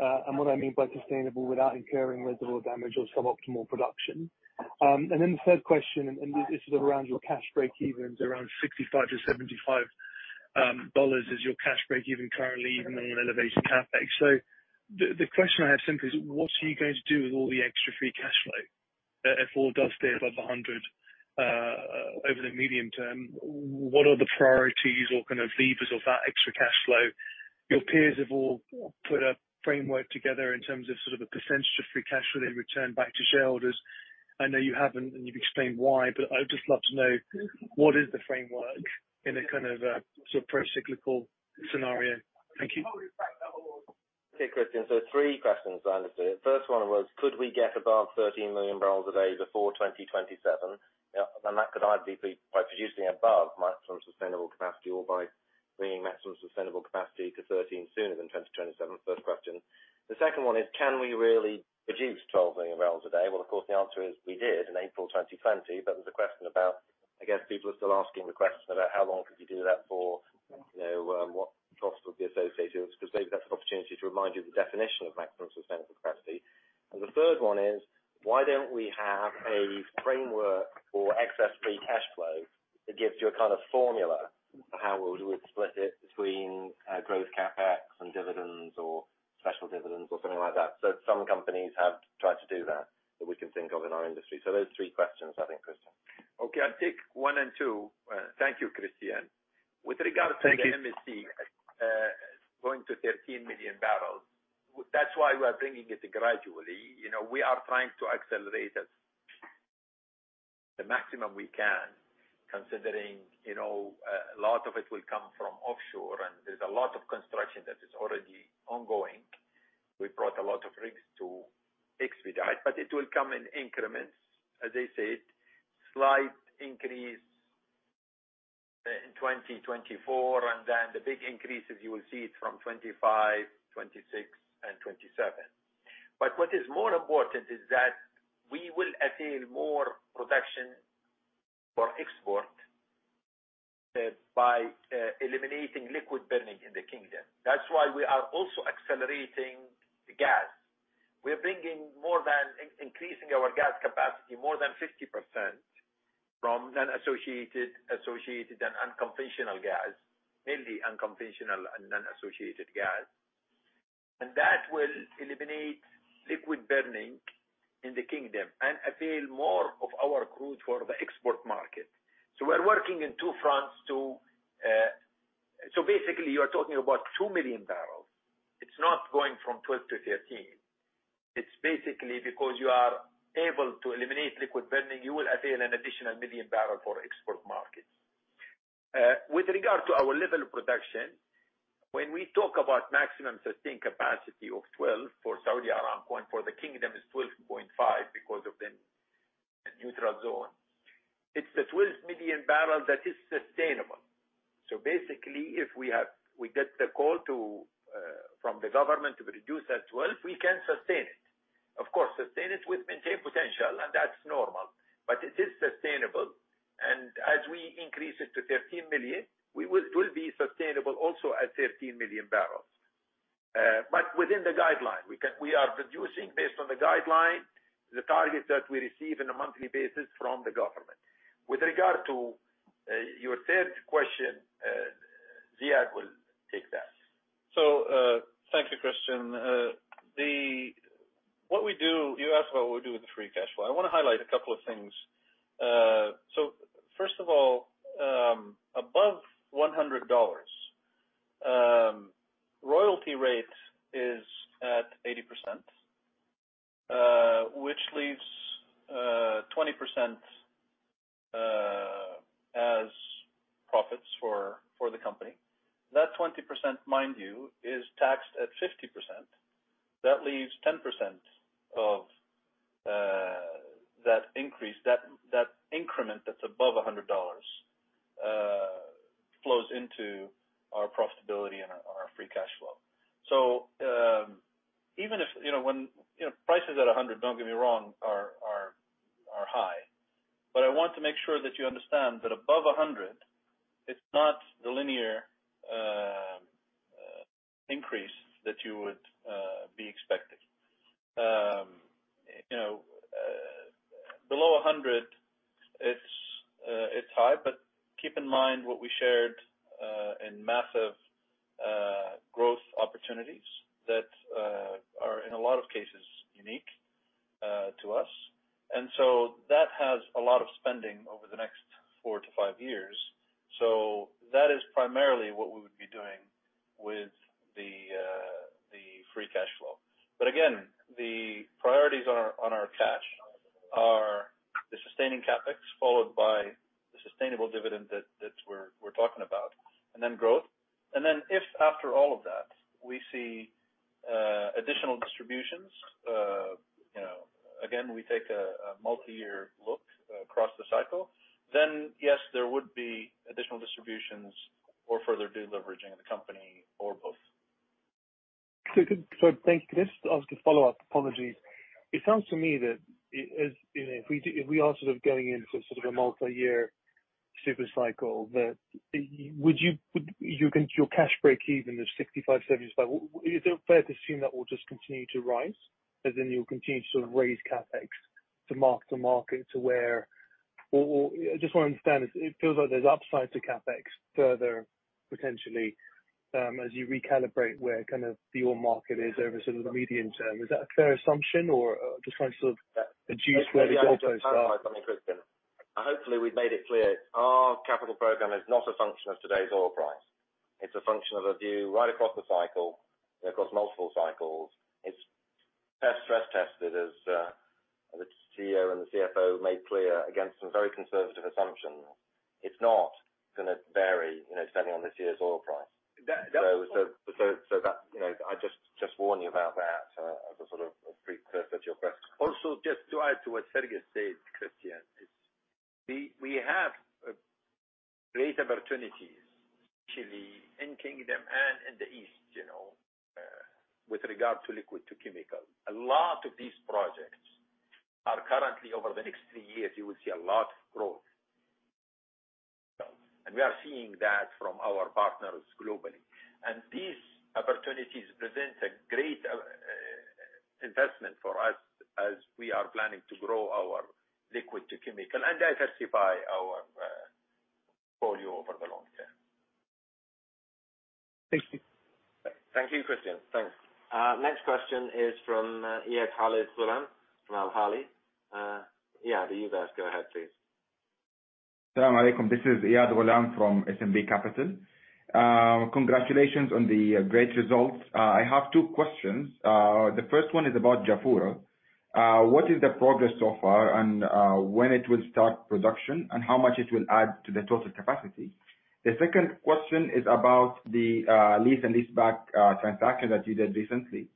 and what I mean by sustainable without incurring reservoir damage or suboptimal production? Then the third question, and this is around your cash breakeven, around $65-$75. Is your cash breakeven currently even on an elevated CapEx? The question I have simply is what are you going to do with all the extra free cash flow if oil does stay above $100 over the medium term? What are the priorities or kind of levers of that extra cash flow? Your peers have all put a framework together in terms of sort of a percentage of free cash flow they return back to shareholders. I know you haven't, and you've explained why, but I would just love to know what is the framework in a kind of a sort of pro-cyclical scenario? Thank you. Okay, Christyan. Three questions I understood. First one was could we get above 13 million barrels a day before 2027? That could either be by producing above maximum sustainable capacity or by bringing maximum sustainable capacity to 13 sooner than 2027. First question. The second one is can we really produce 12 million barrels a day? Well, of course, the answer is we did in April 2020. There was a question about, I guess, people are still asking the question about how long could you do that for? You know, what costs would be associated with it? Because they've got an opportunity to remind you the definition of maximum sustainable capacity. The third one is, why don't we have a framework for excess free cash flow that gives you a kind of formula for how we'll split it between, growth CapEx and dividends or special dividends or something like that. Some companies have tried to do that we can think of in our industry. Those are three questions, I think, Christyan. Okay, I'll take one and two. Thank you, Christyan. With regards to- Thank you. The MSC going to 13 million barrels, that's why we are bringing it gradually. You know, we are trying to accelerate to the maximum we can, considering, you know, a lot of it will come from offshore, and there's a lot of construction that is already ongoing. We brought a lot of rigs to expedite. It will come in increments, as I said. Slight increase in 2024, and then the big increases you will see it from 2025, 2026, and 2027. What is more important is that we will avail more production for export by eliminating liquid burning in the kingdom. That's why we are also accelerating the gas. We are increasing our gas capacity more than 50% from non-associated, associated, and unconventional gas. Mainly unconventional and non-associated gas. That will eliminate liquid burning in the kingdom and avail more of our crude for the export market. We're working in two fronts. Basically, you are talking about 2 million barrels. It's not going from 12 to 13. It's basically because you are able to eliminate liquid burning, you will avail an additional million barrel for export markets. With regard to our level of production, when we talk about maximum sustained capacity of 12 for Saudi Aramco, and for the kingdom is 12.5 because of the neutral zone. It's the 12 million barrels that is sustainable. Basically, if we get the call from the government to reduce at 12, we can sustain it. Of course, sustain it with maintained potential, and that's normal. It is sustainable. As we increase it to 13 million, it will be sustainable also at 13 million barrels. But within the guideline, we are producing based on the guideline, the targets that we receive on a monthly basis from the government. With regard to your third question, Ziad will take that. Thank you, Christyan. You asked what we'll do with the free cash flow. I wanna highlight a couple of things. First of all, above $100, royalty rate is at 80% which leaves 20% as profits for the company. That 20%, mind you, is taxed at 50%. That leaves 10% of that increase, that increment that's above $100, flows into our profitability and our free cash flow. Even if, you know, when, you know, prices at $100, don't get me wrong, are high. But I want to make sure that you understand that above $100, it's not the linear increase that you would be expecting. You know, below 100, it's high, but keep in mind what we shared in massive growth opportunities that are in a lot of cases unique to us. That has a lot of spending over the next four-five years. That is primarily what we would be doing with the free cash flow. Again, the priorities on our cash are the sustaining CapEx, followed by the sustainable dividend that we're talking about, and then growth. Then if after all of that, we see additional distributions, you know, again, we take a multi-year look across the cycle, then yes, there would be additional distributions or further de-leveraging of the company or both. Good. Thank you. Can I just ask a follow-up? Apologies. It sounds to me that, you know, if we are sort of going into sort of a multiyear super cycle that. Would you confirm your cash break even, the $65-$75. Is it fair to assume that will just continue to rise, as in you'll continue to sort of raise CapEx to mark-to-market to where, or, I just want to understand. It feels like there's upside to CapEx further, potentially, as you recalibrate where kind of the oil market is over sort of the medium term. Is that a fair assumption, or just trying to sort of deduce where the- Maybe I can just clarify something, Christyan. Hopefully, we've made it clear. Our capital program is not a function of today's oil price. It's a function of a view right across the cycle and across multiple cycles. It's stress tested, as the CEO and the CFO made clear against some very conservative assumptions. It's not gonna vary, you know, depending on this year's oil price. That, that was- That you know, I just warn you about that as a sort of precursor to your question. Just to add to what Fergus said, Christyan, we have great opportunities actually in Kingdom and in the East, you know, with regard to liquids to chemical. A lot of these projects are currently over the next three years, you will see a lot of growth. We are seeing that from our partners globally. These opportunities present a great investment for us as we are planning to grow our liquids to chemical and diversify our portfolio over the long term. Thank you. Thank you, Christyan. Thanks. Next question is from Iyad Ghulam from SNB Capital. Iyad, you guys go ahead, please. Asa-salamu alaykum. This is Iyad Ghulam from SNB Capital. Congratulations on the great results. I have two questions. The first one is about Jafurah. What is the progress so far, and when it will start production and how much it will add to the total capacity? The second question is about the lease and leaseback transaction that you did recently.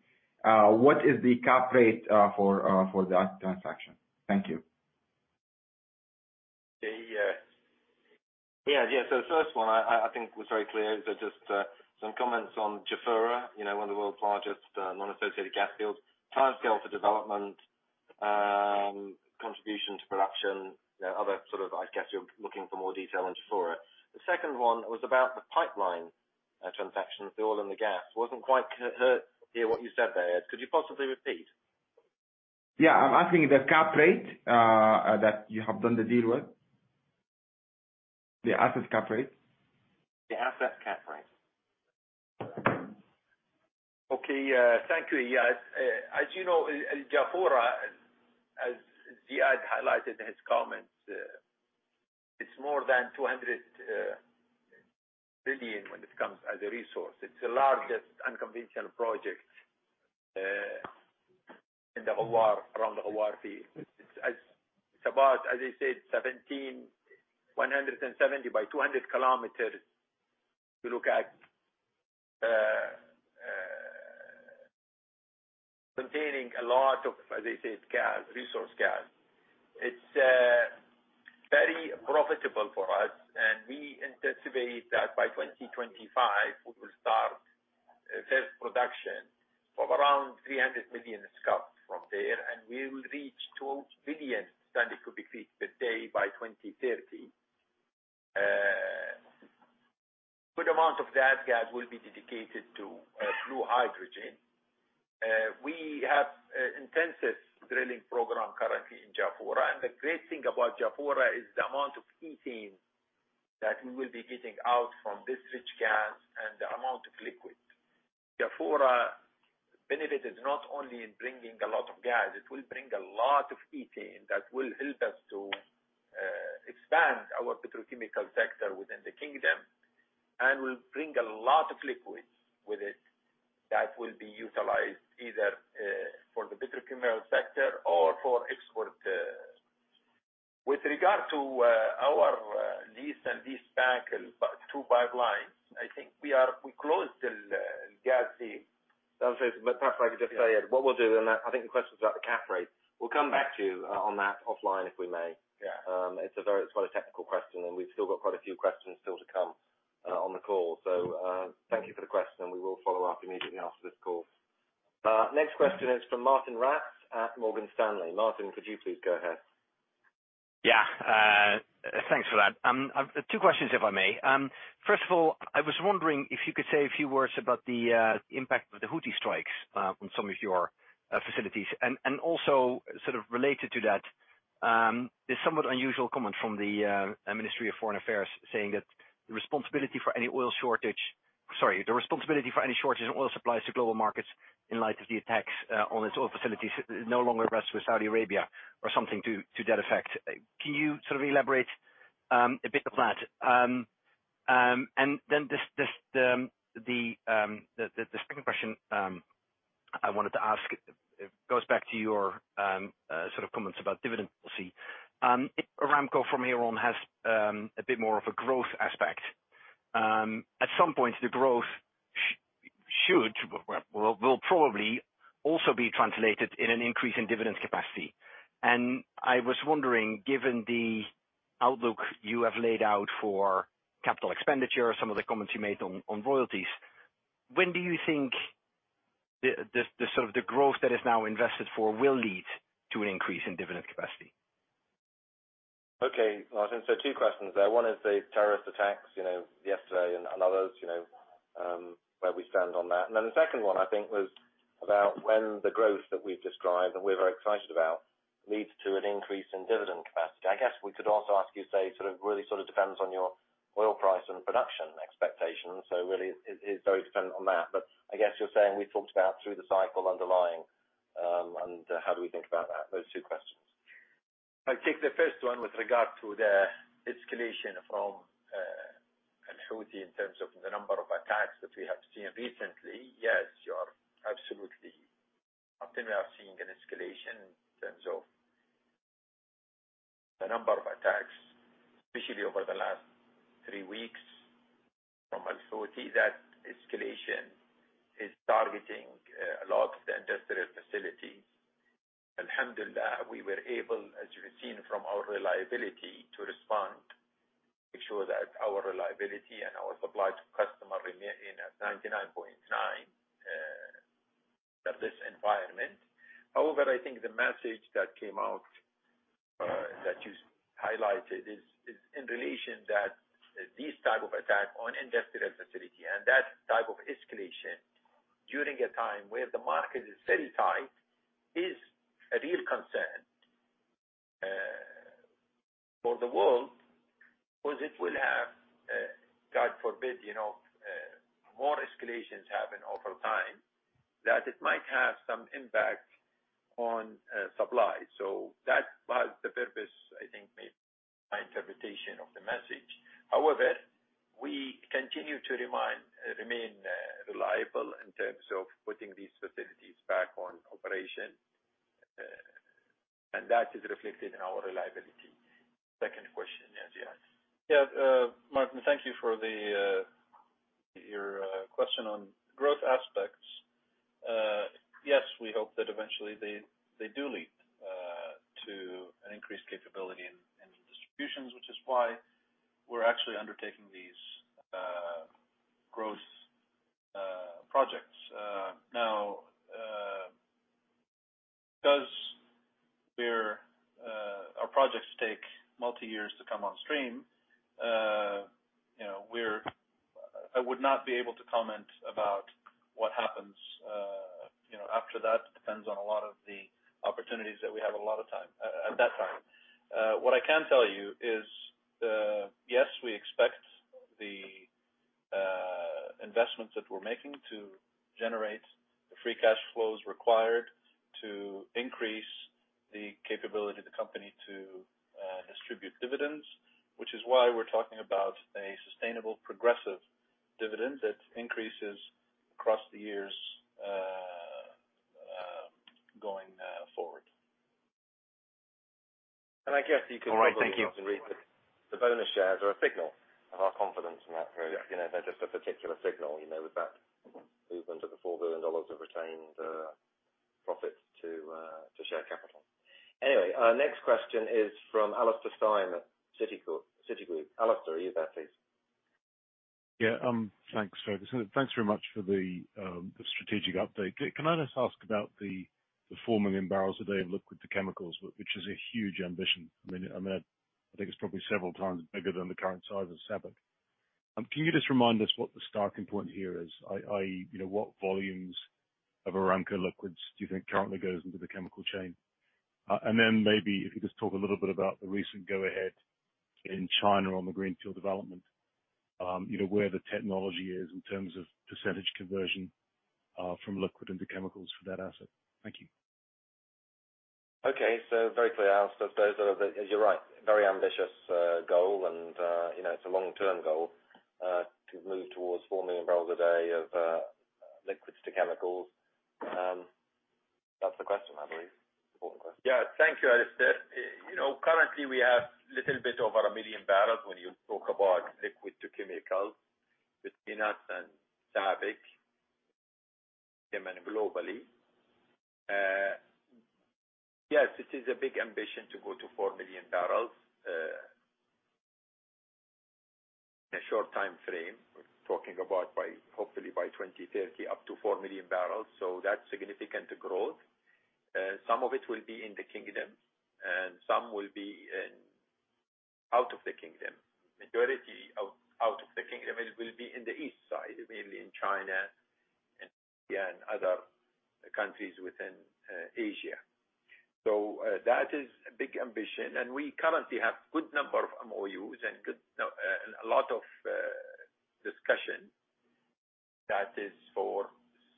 What is the cap rate for that transaction? Thank you. Yeah. First one, I think, was very clear. Just some comments on Jafurah, you know, one of the world's largest non-associated gas fields. Timescale for development, contribution to production, you know, other sort of, I guess you're looking for more detail on Jafurah. The second one was about the pipeline transaction, the oil and the gas. Wasn't quite clear what you said there. Could you possibly repeat? Yeah. I'm asking the cap rate that you have done the deal with. The assets cap rate. The asset cap rate. Okay. Thank you, Iyad. As you know, Jafurah, as Iyad highlighted in his comments, it's more than 200 billion when it comes as a resource. It's the largest unconventional project in the Ghawar, around the Ghawar field. It's about, as I said, 170 by 200 km to look at, containing a lot of, as I said, gas, resource gas. It's very profitable for us, and we anticipate that by 2025, we will start first production of around 300 million scfd from there, and we will reach 2 billion scfd by 2030. Good amount of that gas will be dedicated to blue hydrogen. We have a intensive drilling program currently in Jafurah. The great thing about Jafurah is the amount of ethane that we will be getting out from this rich gas and the amount of liquid. Jafurah benefit is not only in bringing a lot of gas. It will bring a lot of ethane that will help us to expand our petrochemical sector within the kingdom, and will bring a lot of liquids with it that will be utilized either for the petrochemical sector or for export. With regard to our lease and leaseback two pipelines, I think we closed the gas- Perhaps I could just say, Iyad, what we'll do then. I think the question is about the CapEx. We'll come back to you on that offline if we may. Yeah. It's quite a technical question, and we've still got quite a few questions to come on the call. Thank you for the question. We will follow up immediately after this call. Next question is from Martijn Rats at Morgan Stanley. Martijn, could you please go ahead? Yeah. Thanks for that. I've two questions, if I may. First of all, I was wondering if you could say a few words about the impact of the Houthi strikes on some of your facilities. Also sort of related to that, this somewhat unusual comment from the Ministry of Foreign Affairs, saying that the responsibility for any shortage in oil supplies to global markets in light of the attacks on its oil facilities no longer rests with Saudi Arabia or something to that effect. Can you sort of elaborate a bit on that? Just the second question I wanted to ask. It goes back to your sort of comments about dividend policy. If Aramco from here on has a bit more of a growth aspect, at some point the growth will probably also be translated in an increase in dividend capacity. I was wondering, given the outlook you have laid out for capital expenditure, some of the comments you made on royalties. When do you think the sort of growth that is now invested for will lead to an increase in dividend capacity? Okay, Martin. Two questions there. One is the terrorist attacks, you know, yesterday and others, you know, where we stand on that. Then the second one, I think was about when the growth that we've described, and we're very excited about, leads to an increase in dividend capacity. I guess we could also ask you say sort of really sort of depends on your oil price and production expectations. Really it very dependent on that. I guess you're saying we talked about through the cycle underlying, and how do we think about that? Those two questions. I take the first one with regard to the escalation from a Houthi in terms of the number of attacks that we have seen recently. Yes, you are absolutely. I think we are seeing an escalation in terms of the number of attacks, especially over the last three weeks from a Houthi. That escalation is targeting a lot of the industrial facilities. Alhamdulillah, we were able, as you have seen from our reliability, to respond, ensure that our reliability and our supply to customer remain at 99.9% in this environment. However, I think the message that came out, that you highlighted is in relation that this type of attack on industrial facility and that type of escalation during a time where the market is very tight is a real concern, for the world, because it will have, God forbid, you know, more escalations happen over time, that it might have some impact on, supply. That was the purpose, I think, maybe my interpretation of the message. However, we remain reliable in terms of putting these facilities back on operation and that is reflected in our reliability. Second question, yes. Martijn, thank you for your question on growth aspects. Yes, we hope that eventually they do lead to an increased capability in distributions, which is why we're actually undertaking these growth projects. Now, because our projects take multi years to come on stream, you know, I would not be able to comment about what happens, you know, after that. It depends on a lot of the opportunities that we have at that time. What I can tell you is, yes, we expect the investments that we're making to generate the free cash flows required to increase the capability of the company to distribute dividends, which is why we're talking about a sustainable progressive dividend that increases across the years, going forward. I guess you can- All right, thank you. The bonus shares are a signal of our confidence in that period. You know, they're just a particular signal, you know, with that movement of the $4 billion of retained profits to share capital. Anyway, our next question is from Alastair Syme at Citigroup. Alastair, are you there, please? Yeah, thanks, Fergus. Thanks very much for the strategic update. Can I just ask about the 4 million barrels a day of liquid to chemicals, which is a huge ambition. I mean, I think it's probably several times bigger than the current size of SABIC. Can you just remind us what the starting point here is? You know, what volumes of Aramco liquids do you think currently goes into the chemical chain? And then maybe if you just talk a little bit about the recent go-ahead in China on the greenfield development, you know, where the technology is in terms of percentage conversion from liquid into chemicals for that asset. Thank you. Okay. Very clear, Alastair. You're right. Very ambitious goal. You know, it's a long-term goal to move towards 4 million barrels a day of liquids to chemicals. That's the question, I believe. Important question. Yeah. Thank you, Alastair. You know, currently we have a little bit over 1 million barrels when you talk about liquids to chemicals between us and SABIC and globally. Yes, it is a big ambition to go to 4 million barrels in a short time frame. We're talking about by, hopefully by 2030, up to 4 million barrels, that's significant growth. Some of it will be in the kingdom and some will be out of the kingdom. Majority out of the kingdom. It will be on the east side, mainly in China and India and other countries within Asia. That is a big ambition. We currently have a good number of MOUs and a lot of discussion that is for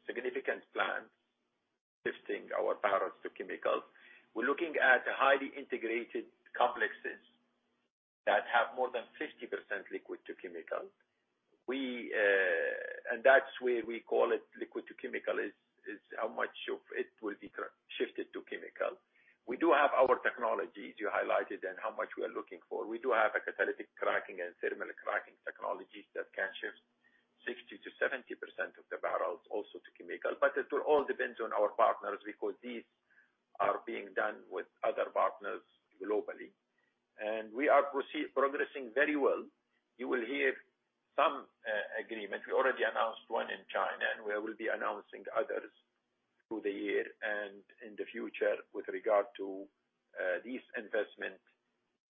significant plans, shifting our barrels to chemicals. We're looking at highly integrated complexes that have more than 50% liquid to chemical. That's where we call it liquid to chemical, is how much of it will be trans-shifted to chemical. We do have our technologies, you highlighted, and how much we are looking for. We do have a catalytic cracking and thermal cracking technologies that can shift to 70% of the barrels also to chemical. But it will all depends on our partners because these are being done with other partners globally. We are progressing very well. You will hear some agreement. We already announced one in China, and we will be announcing others through the year and in the future with regard to these investments.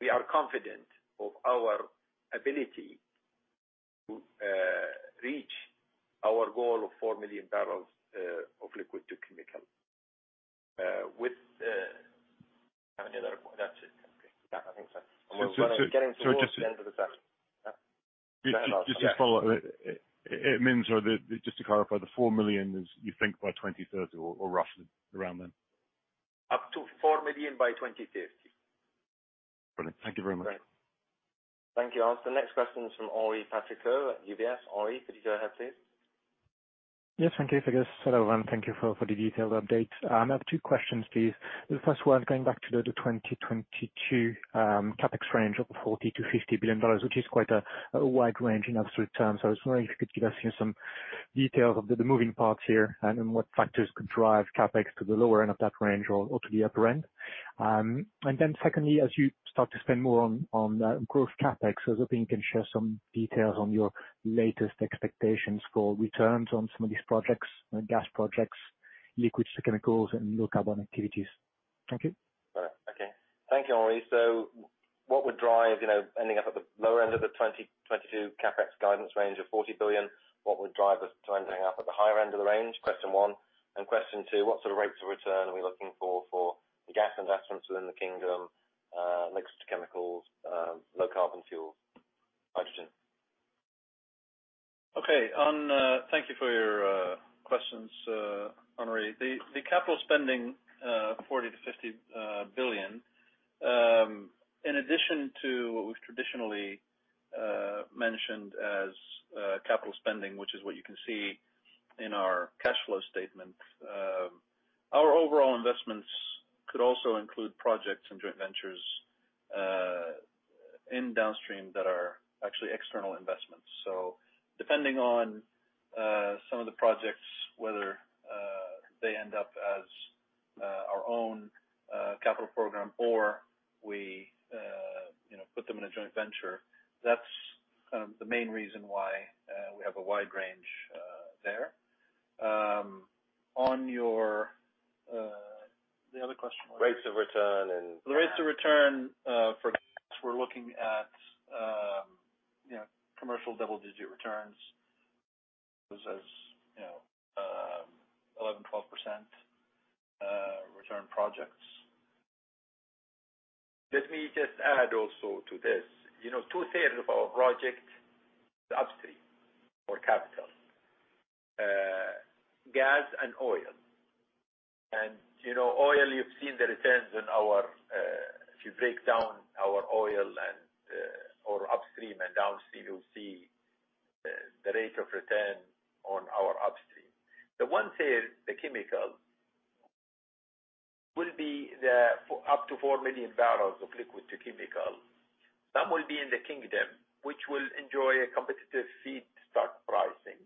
We are confident of our ability to reach our goal of 4 million barrels of liquid to chemical. That's it. Okay. Yeah, I think so. Just to- We're running, getting towards the end of the session. Just to follow. Just to clarify, the 4 million is you think by 2030 or roughly around then? Up to 4 million by 2030. Brilliant. Thank you very much. Thank you. I'll take next question from Henri Patricot at UBS. Henri, please go ahead, please. Yes, thank you. I guess hello, and thank you for the detailed update. I have two questions, please. The first one going back to the 2022 CapEx range of $40 billion-$50 billion which is quite a wide range in absolute terms. I was wondering if you could give us, you know, some details of the moving parts here and then what factors could drive CapEx to the lower end of that range or to the upper end. And then secondly, as you start to spend more on growth CapEx, I was hoping you can share some details on your latest expectations for returns on some of these projects, gas projects, liquids to chemicals and low carbon activities. Thank you. Thank you, Henri. What would drive, you know, ending up at the lower end of the 2022 CapEx guidance range of $40 billion? What would drive us to ending up at the higher end of the range? Question one. Question two, what sort of rates of return are we looking for the gas investments within the kingdom, liquids to chemicals, low carbon fuel, hydrogen? Okay. Thank you for your questions, Henri. The capital spending $40 billion-$50 billion in addition to what we've traditionally mentioned as capital spending, which is what you can see in our cash flow statement, our overall investments could also include projects and joint ventures in downstream that are actually external investments. Depending on some of the projects, whether they end up as our own capital program or we you know put them in a joint venture, that's kind of the main reason why we have a wide range there. On your other question- Rates of return and- The rates of return for us, we're looking at you know, commercial double-digit returns. It's you know, 11%-12% return projects. Let me just add also to this. You know, two-thirds of our project is upstream, our CapEx. Gas and oil, you know, oil you've seen the returns on our, if you break down our upstream and downstream, you'll see the rate of return on our upstream. The one-third, the chemical will be up to 4 million barrels of liquids to chemical. Some will be in the kingdom, which will enjoy a competitive feedstock pricing.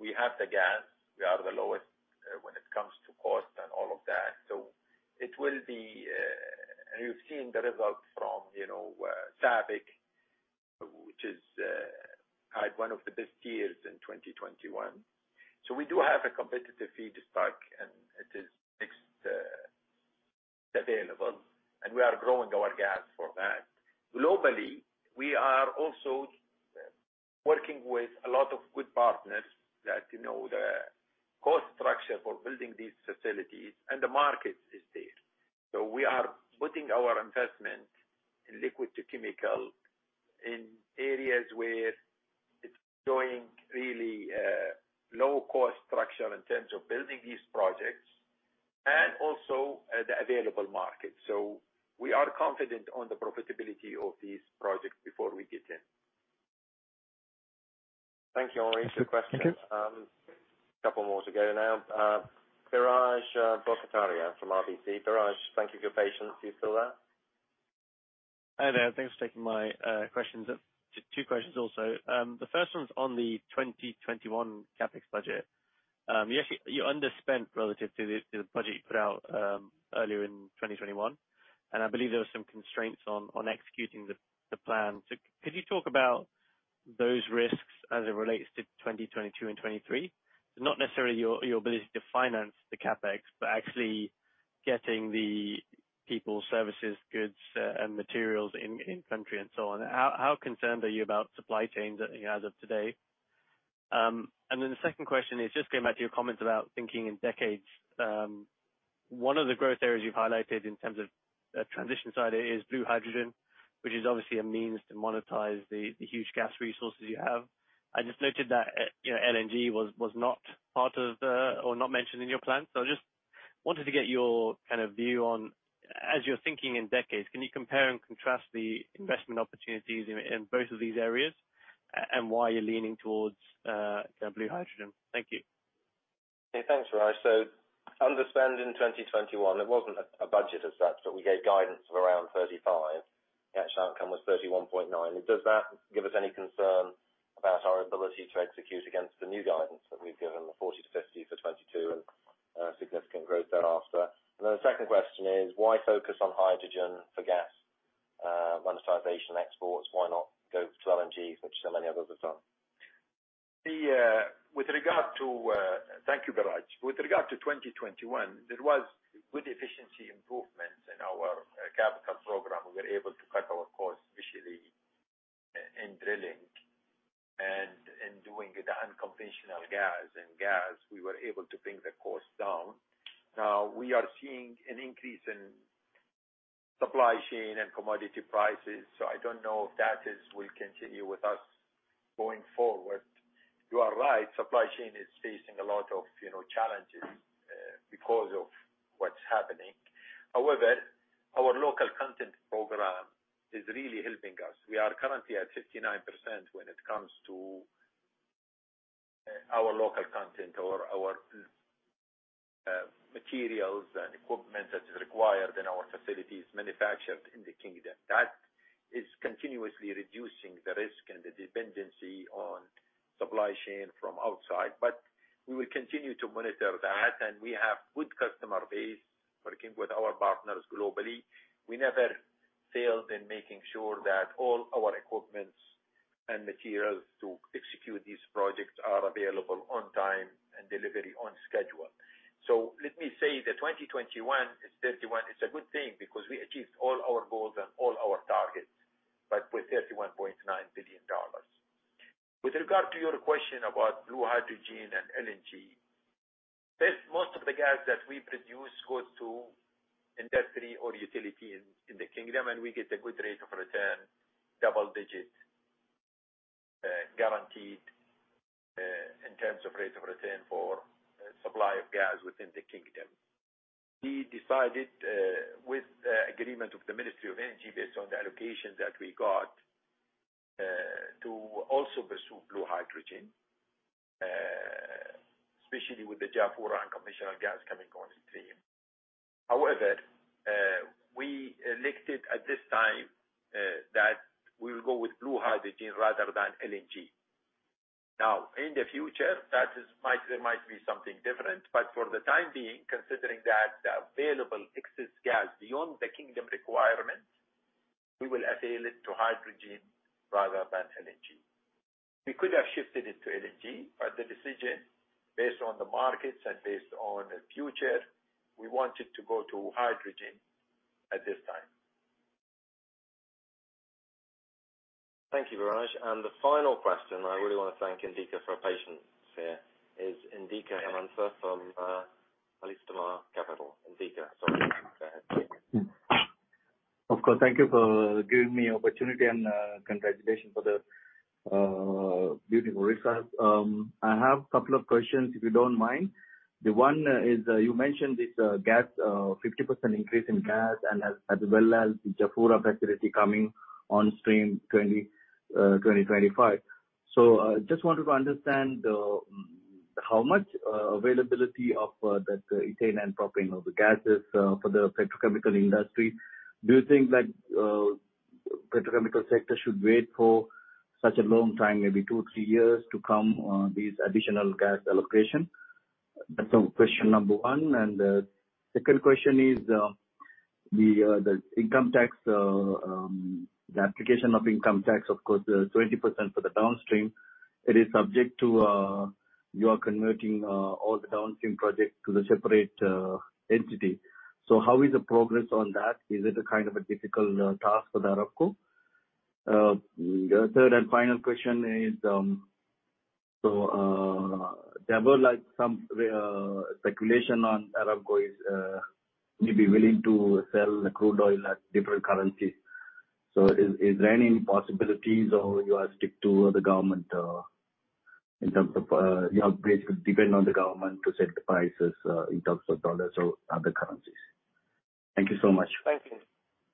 We have the gas, we are the lowest when it comes to cost and all of that. It will be and you've seen the results from, you know, SABIC, which had one of the best years in 2021. We do have a competitive feedstock, and it is mixed, available, and we are growing our gas for that. Globally, we are also working with a lot of good partners that, you know, the cost structure for building these facilities and the market is there. We are putting our investment in liquids to chemical in areas where it's showing really, low cost structure in terms of building these projects and also, the available market. We are confident on the profitability of these projects before we get in. Thank you, Henri, for your questions. Thank you. Couple more to go now. Biraj Borkhataria from RBC. Biraj, thank you for your patience. You still there? Hi there. Thanks for taking my questions. Two questions also. The first one's on the 2021 CapEx budget. You actually underspent relative to the budget you put out earlier in 2021 and I believe there were some constraints on executing the plan. Could you talk about those risks as it relates to 2022 and 2023? Not necessarily your ability to finance the CapEx, but actually getting the people, services, goods, and materials in country and so on. How concerned are you about supply chains as of today? And then the second question is just going back to your comments about thinking in decades. One of the growth areas you've highlighted in terms of transition side is blue hydrogen, which is obviously a means to monetize the huge gas resources you have. I just noted that you know LNG was not part of the plan or not mentioned in your plan. I just wanted to get your kind of view on, as you're thinking in decades, can you compare and contrast the investment opportunities in both of these areas and why you're leaning towards the blue hydrogen? Thank you. Okay, thanks, Raj. Underspend in 2021, it wasn't a budget as such but we gave guidance of around $35 billion. The actual outcome was $31.9 billion. Does that give us any concern about our ability to execute against the new guidance that we've given, the $40 billion-$50 billion for 2022 and significant growth thereafter? The second question is why focus on hydrogen for gas monetization exports? Why not go to LNG, which so many others have done? Thank you, Raj. With regard to 2021, there was good efficiency improvements in our capital program. We were able to cut our costs, especially in drilling and in doing the unconventional gas. In gas, we were able to bring the cost down. Now we are seeing an increase in supply chain and commodity prices, so I don't know if that will continue with us going forward. You are right, supply chain is facing a lot of, you know, challenges because of what's happening. However, our local content program is really helping us. We are currently at 59% when it comes to our local content or our materials and equipment that is required in our facilities manufactured in the kingdom. That is continuously reducing the risk and the dependency on supply chain from outside but we will continue to monitor that and we have good customer base working with our partners globally. We never failed in making sure that all our equipment's and materials to execute these projects are available on time and delivery on schedule. Let me say the 2021 is 31 is a good thing because we achieved all our goals and all our targets but with $31.9 billion. With regard to your question about blue hydrogen and LNG, this most of the gas that we produce goes to industry or utility in the kingdom, and we get a good rate of return, double digit, guaranteed, in terms of rate of return for supply of gas within the kingdom. We decided, with the agreement of the Ministry of Energy based on the allocation that we got, to also pursue blue hydrogen, especially with the Jafurah unconventional gas coming on stream. However, we elected at this time, that we will go with blue hydrogen rather than LNG. Now, in the future, there might be something different, but for the time being, considering that the available excess gas beyond the kingdom requirement, we will avail it to hydrogen rather than LNG. We could have shifted it to LNG, but the decision based on the markets and based on the future, we wanted to go to hydrogen at this time. Thank you, Raj. The final question, I really wanna thank Indika for our patience here, is Indika Hemantha from Alinma Investment. Indika, sorry go ahead. Of course. Thank you for giving me opportunity and congratulations for the, beautiful results. I have a couple of questions, if you don't mind. The one, is, you mentioned this gas, 50% increase in gas and as well as the Jafurah facility coming on stream 2025. Just wanted to understand, how much, availability of, that ethane and propane or the gases, for the petrochemical industry? Do you think that, petrochemical sector should wait for such a long time, maybe two or three years to come, these additional gas allocation? That's question number one. Second question is, the income tax, the application of income tax, of course, 20% for the downstream, it is subject to, you are converting, all the downstream projects to the separate entity. How is the progress on that? Is it a kind of a difficult task for Aramco? Third and final question is, there were like some speculation on Aramco is maybe willing to sell the crude oil at different currencies. Is there any possibilities or you are stick to the government, in terms of, you have basically depend on the government to set the prices, in terms of dollars or other currencies? Thank you so much. Thank you.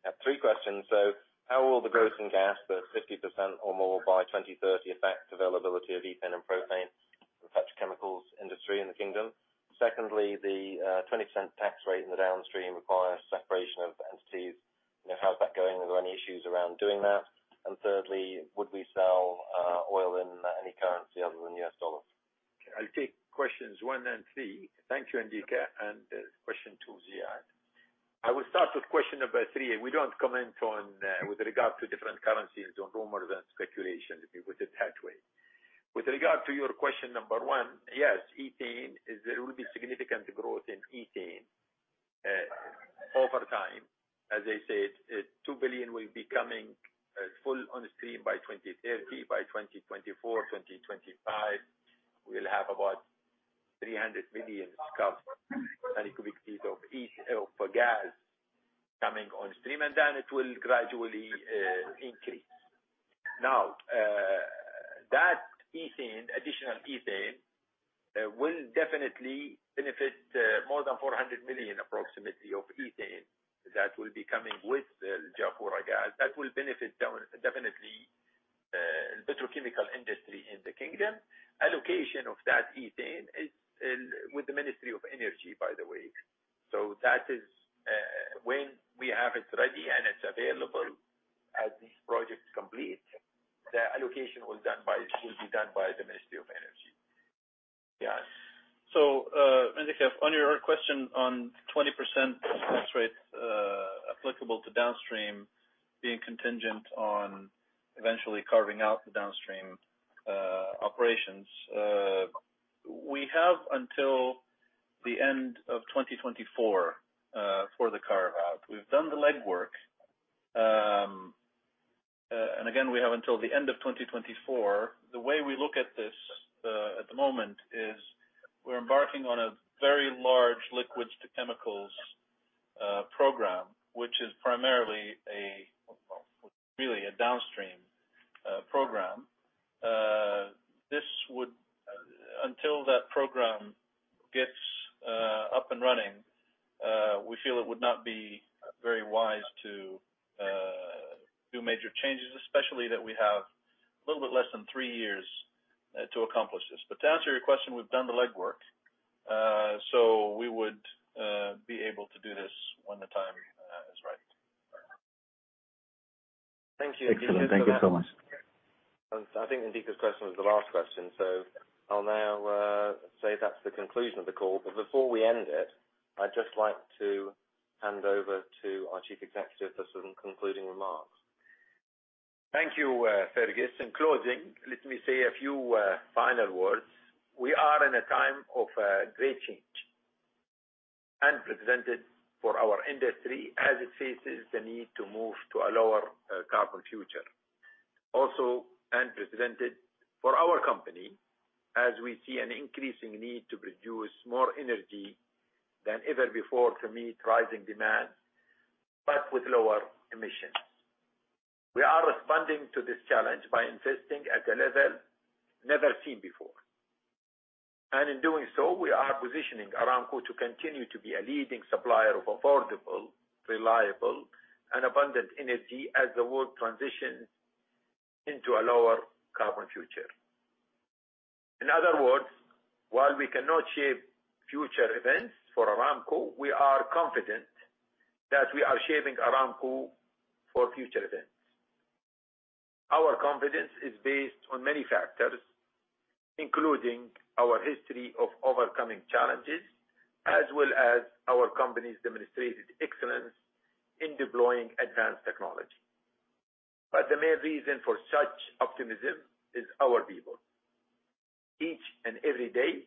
Yeah, three questions. How will the growth in gas, the 50% or more by 2030 affect availability of ethane and propane for petrochemicals industry in the kingdom? Secondly, the 20% tax rate in the downstream requires separation of entities. You know, how's that going? Are there any issues around doing that? Thirdly, would we sell oil in any currency other than U.S. dollars? I'll take questions one and three. Thank you, Indika. Question two, Ziad. I will start with question number three. We don't comment on, with regard to different currencies or rumor and speculation, put it that way. With regard to your question number one, yes, ethane is there will be significant growth in ethane over time. As I said, 2 billion will be coming full on the stream by 2030, by 2024-2025, we'll have about 300 million scfd, cubic feet of gas coming on stream and then it will gradually increase. Now, that additional ethane will definitely benefit more than approximately 400 million of ethane that will be coming with the Jafurah gas. That will benefit definitely the chemical industry in the kingdom. Allocation of that ethane is with the Ministry of Energy, by the way. That is, when we have it ready and it's available as these projects complete, the allocation will be done by the Ministry of Energy. Indika, on your question on 20% tax rate applicable to downstream being contingent on eventually carving out the downstream operations. We have until the end of 2024 for the carve-out, we've done the legwork. Again, we have until the end of 2024. The way we look at this at the moment is we're embarking on a very large liquids to chemicals program which is primarily really a downstream program. Until that program gets up and running, we feel it would not be very wise to do major changes, especially that we have a little bit less than three years to accomplish this. To answer your question, we've done the legwork. We would be able to do this when the time is right. Thank you. Excellent. Thank you so much. I think Indika's question was the last question, so I'll now say that's the conclusion of the call. Before we end it, I'd just like to hand over to our Chief Executive for some concluding remarks. Thank you, Fergus. In closing, let me say a few final words. We are in a time of great change, unprecedented for our industry as it faces the need to move to a lower carbon future. Also unprecedented for our company as we see an increasing need to produce more energy than ever before to meet rising demand, but with lower emissions. We are responding to this challenge by investing at a level never seen before. In doing so, we are positioning Aramco to continue to be a leading supplier of affordable, reliable, and abundant energy as the world transitions into a lower carbon future. In other words, while we cannot shape future events for Aramco, we are confident that we are shaping Aramco for future events. Our confidence is based on many factors, including our history of overcoming challenges, as well as our company's demonstrated excellence in deploying advanced technology. The main reason for such optimism is our people. Each and every day,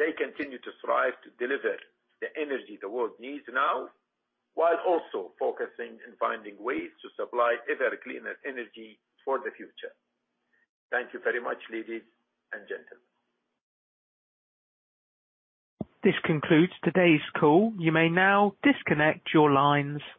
they continue to strive to deliver the energy the world needs now while also focusing and finding ways to supply ever cleaner energy for the future. Thank you very much, ladies and gentlemen. This concludes today's call. You may now disconnect your lines.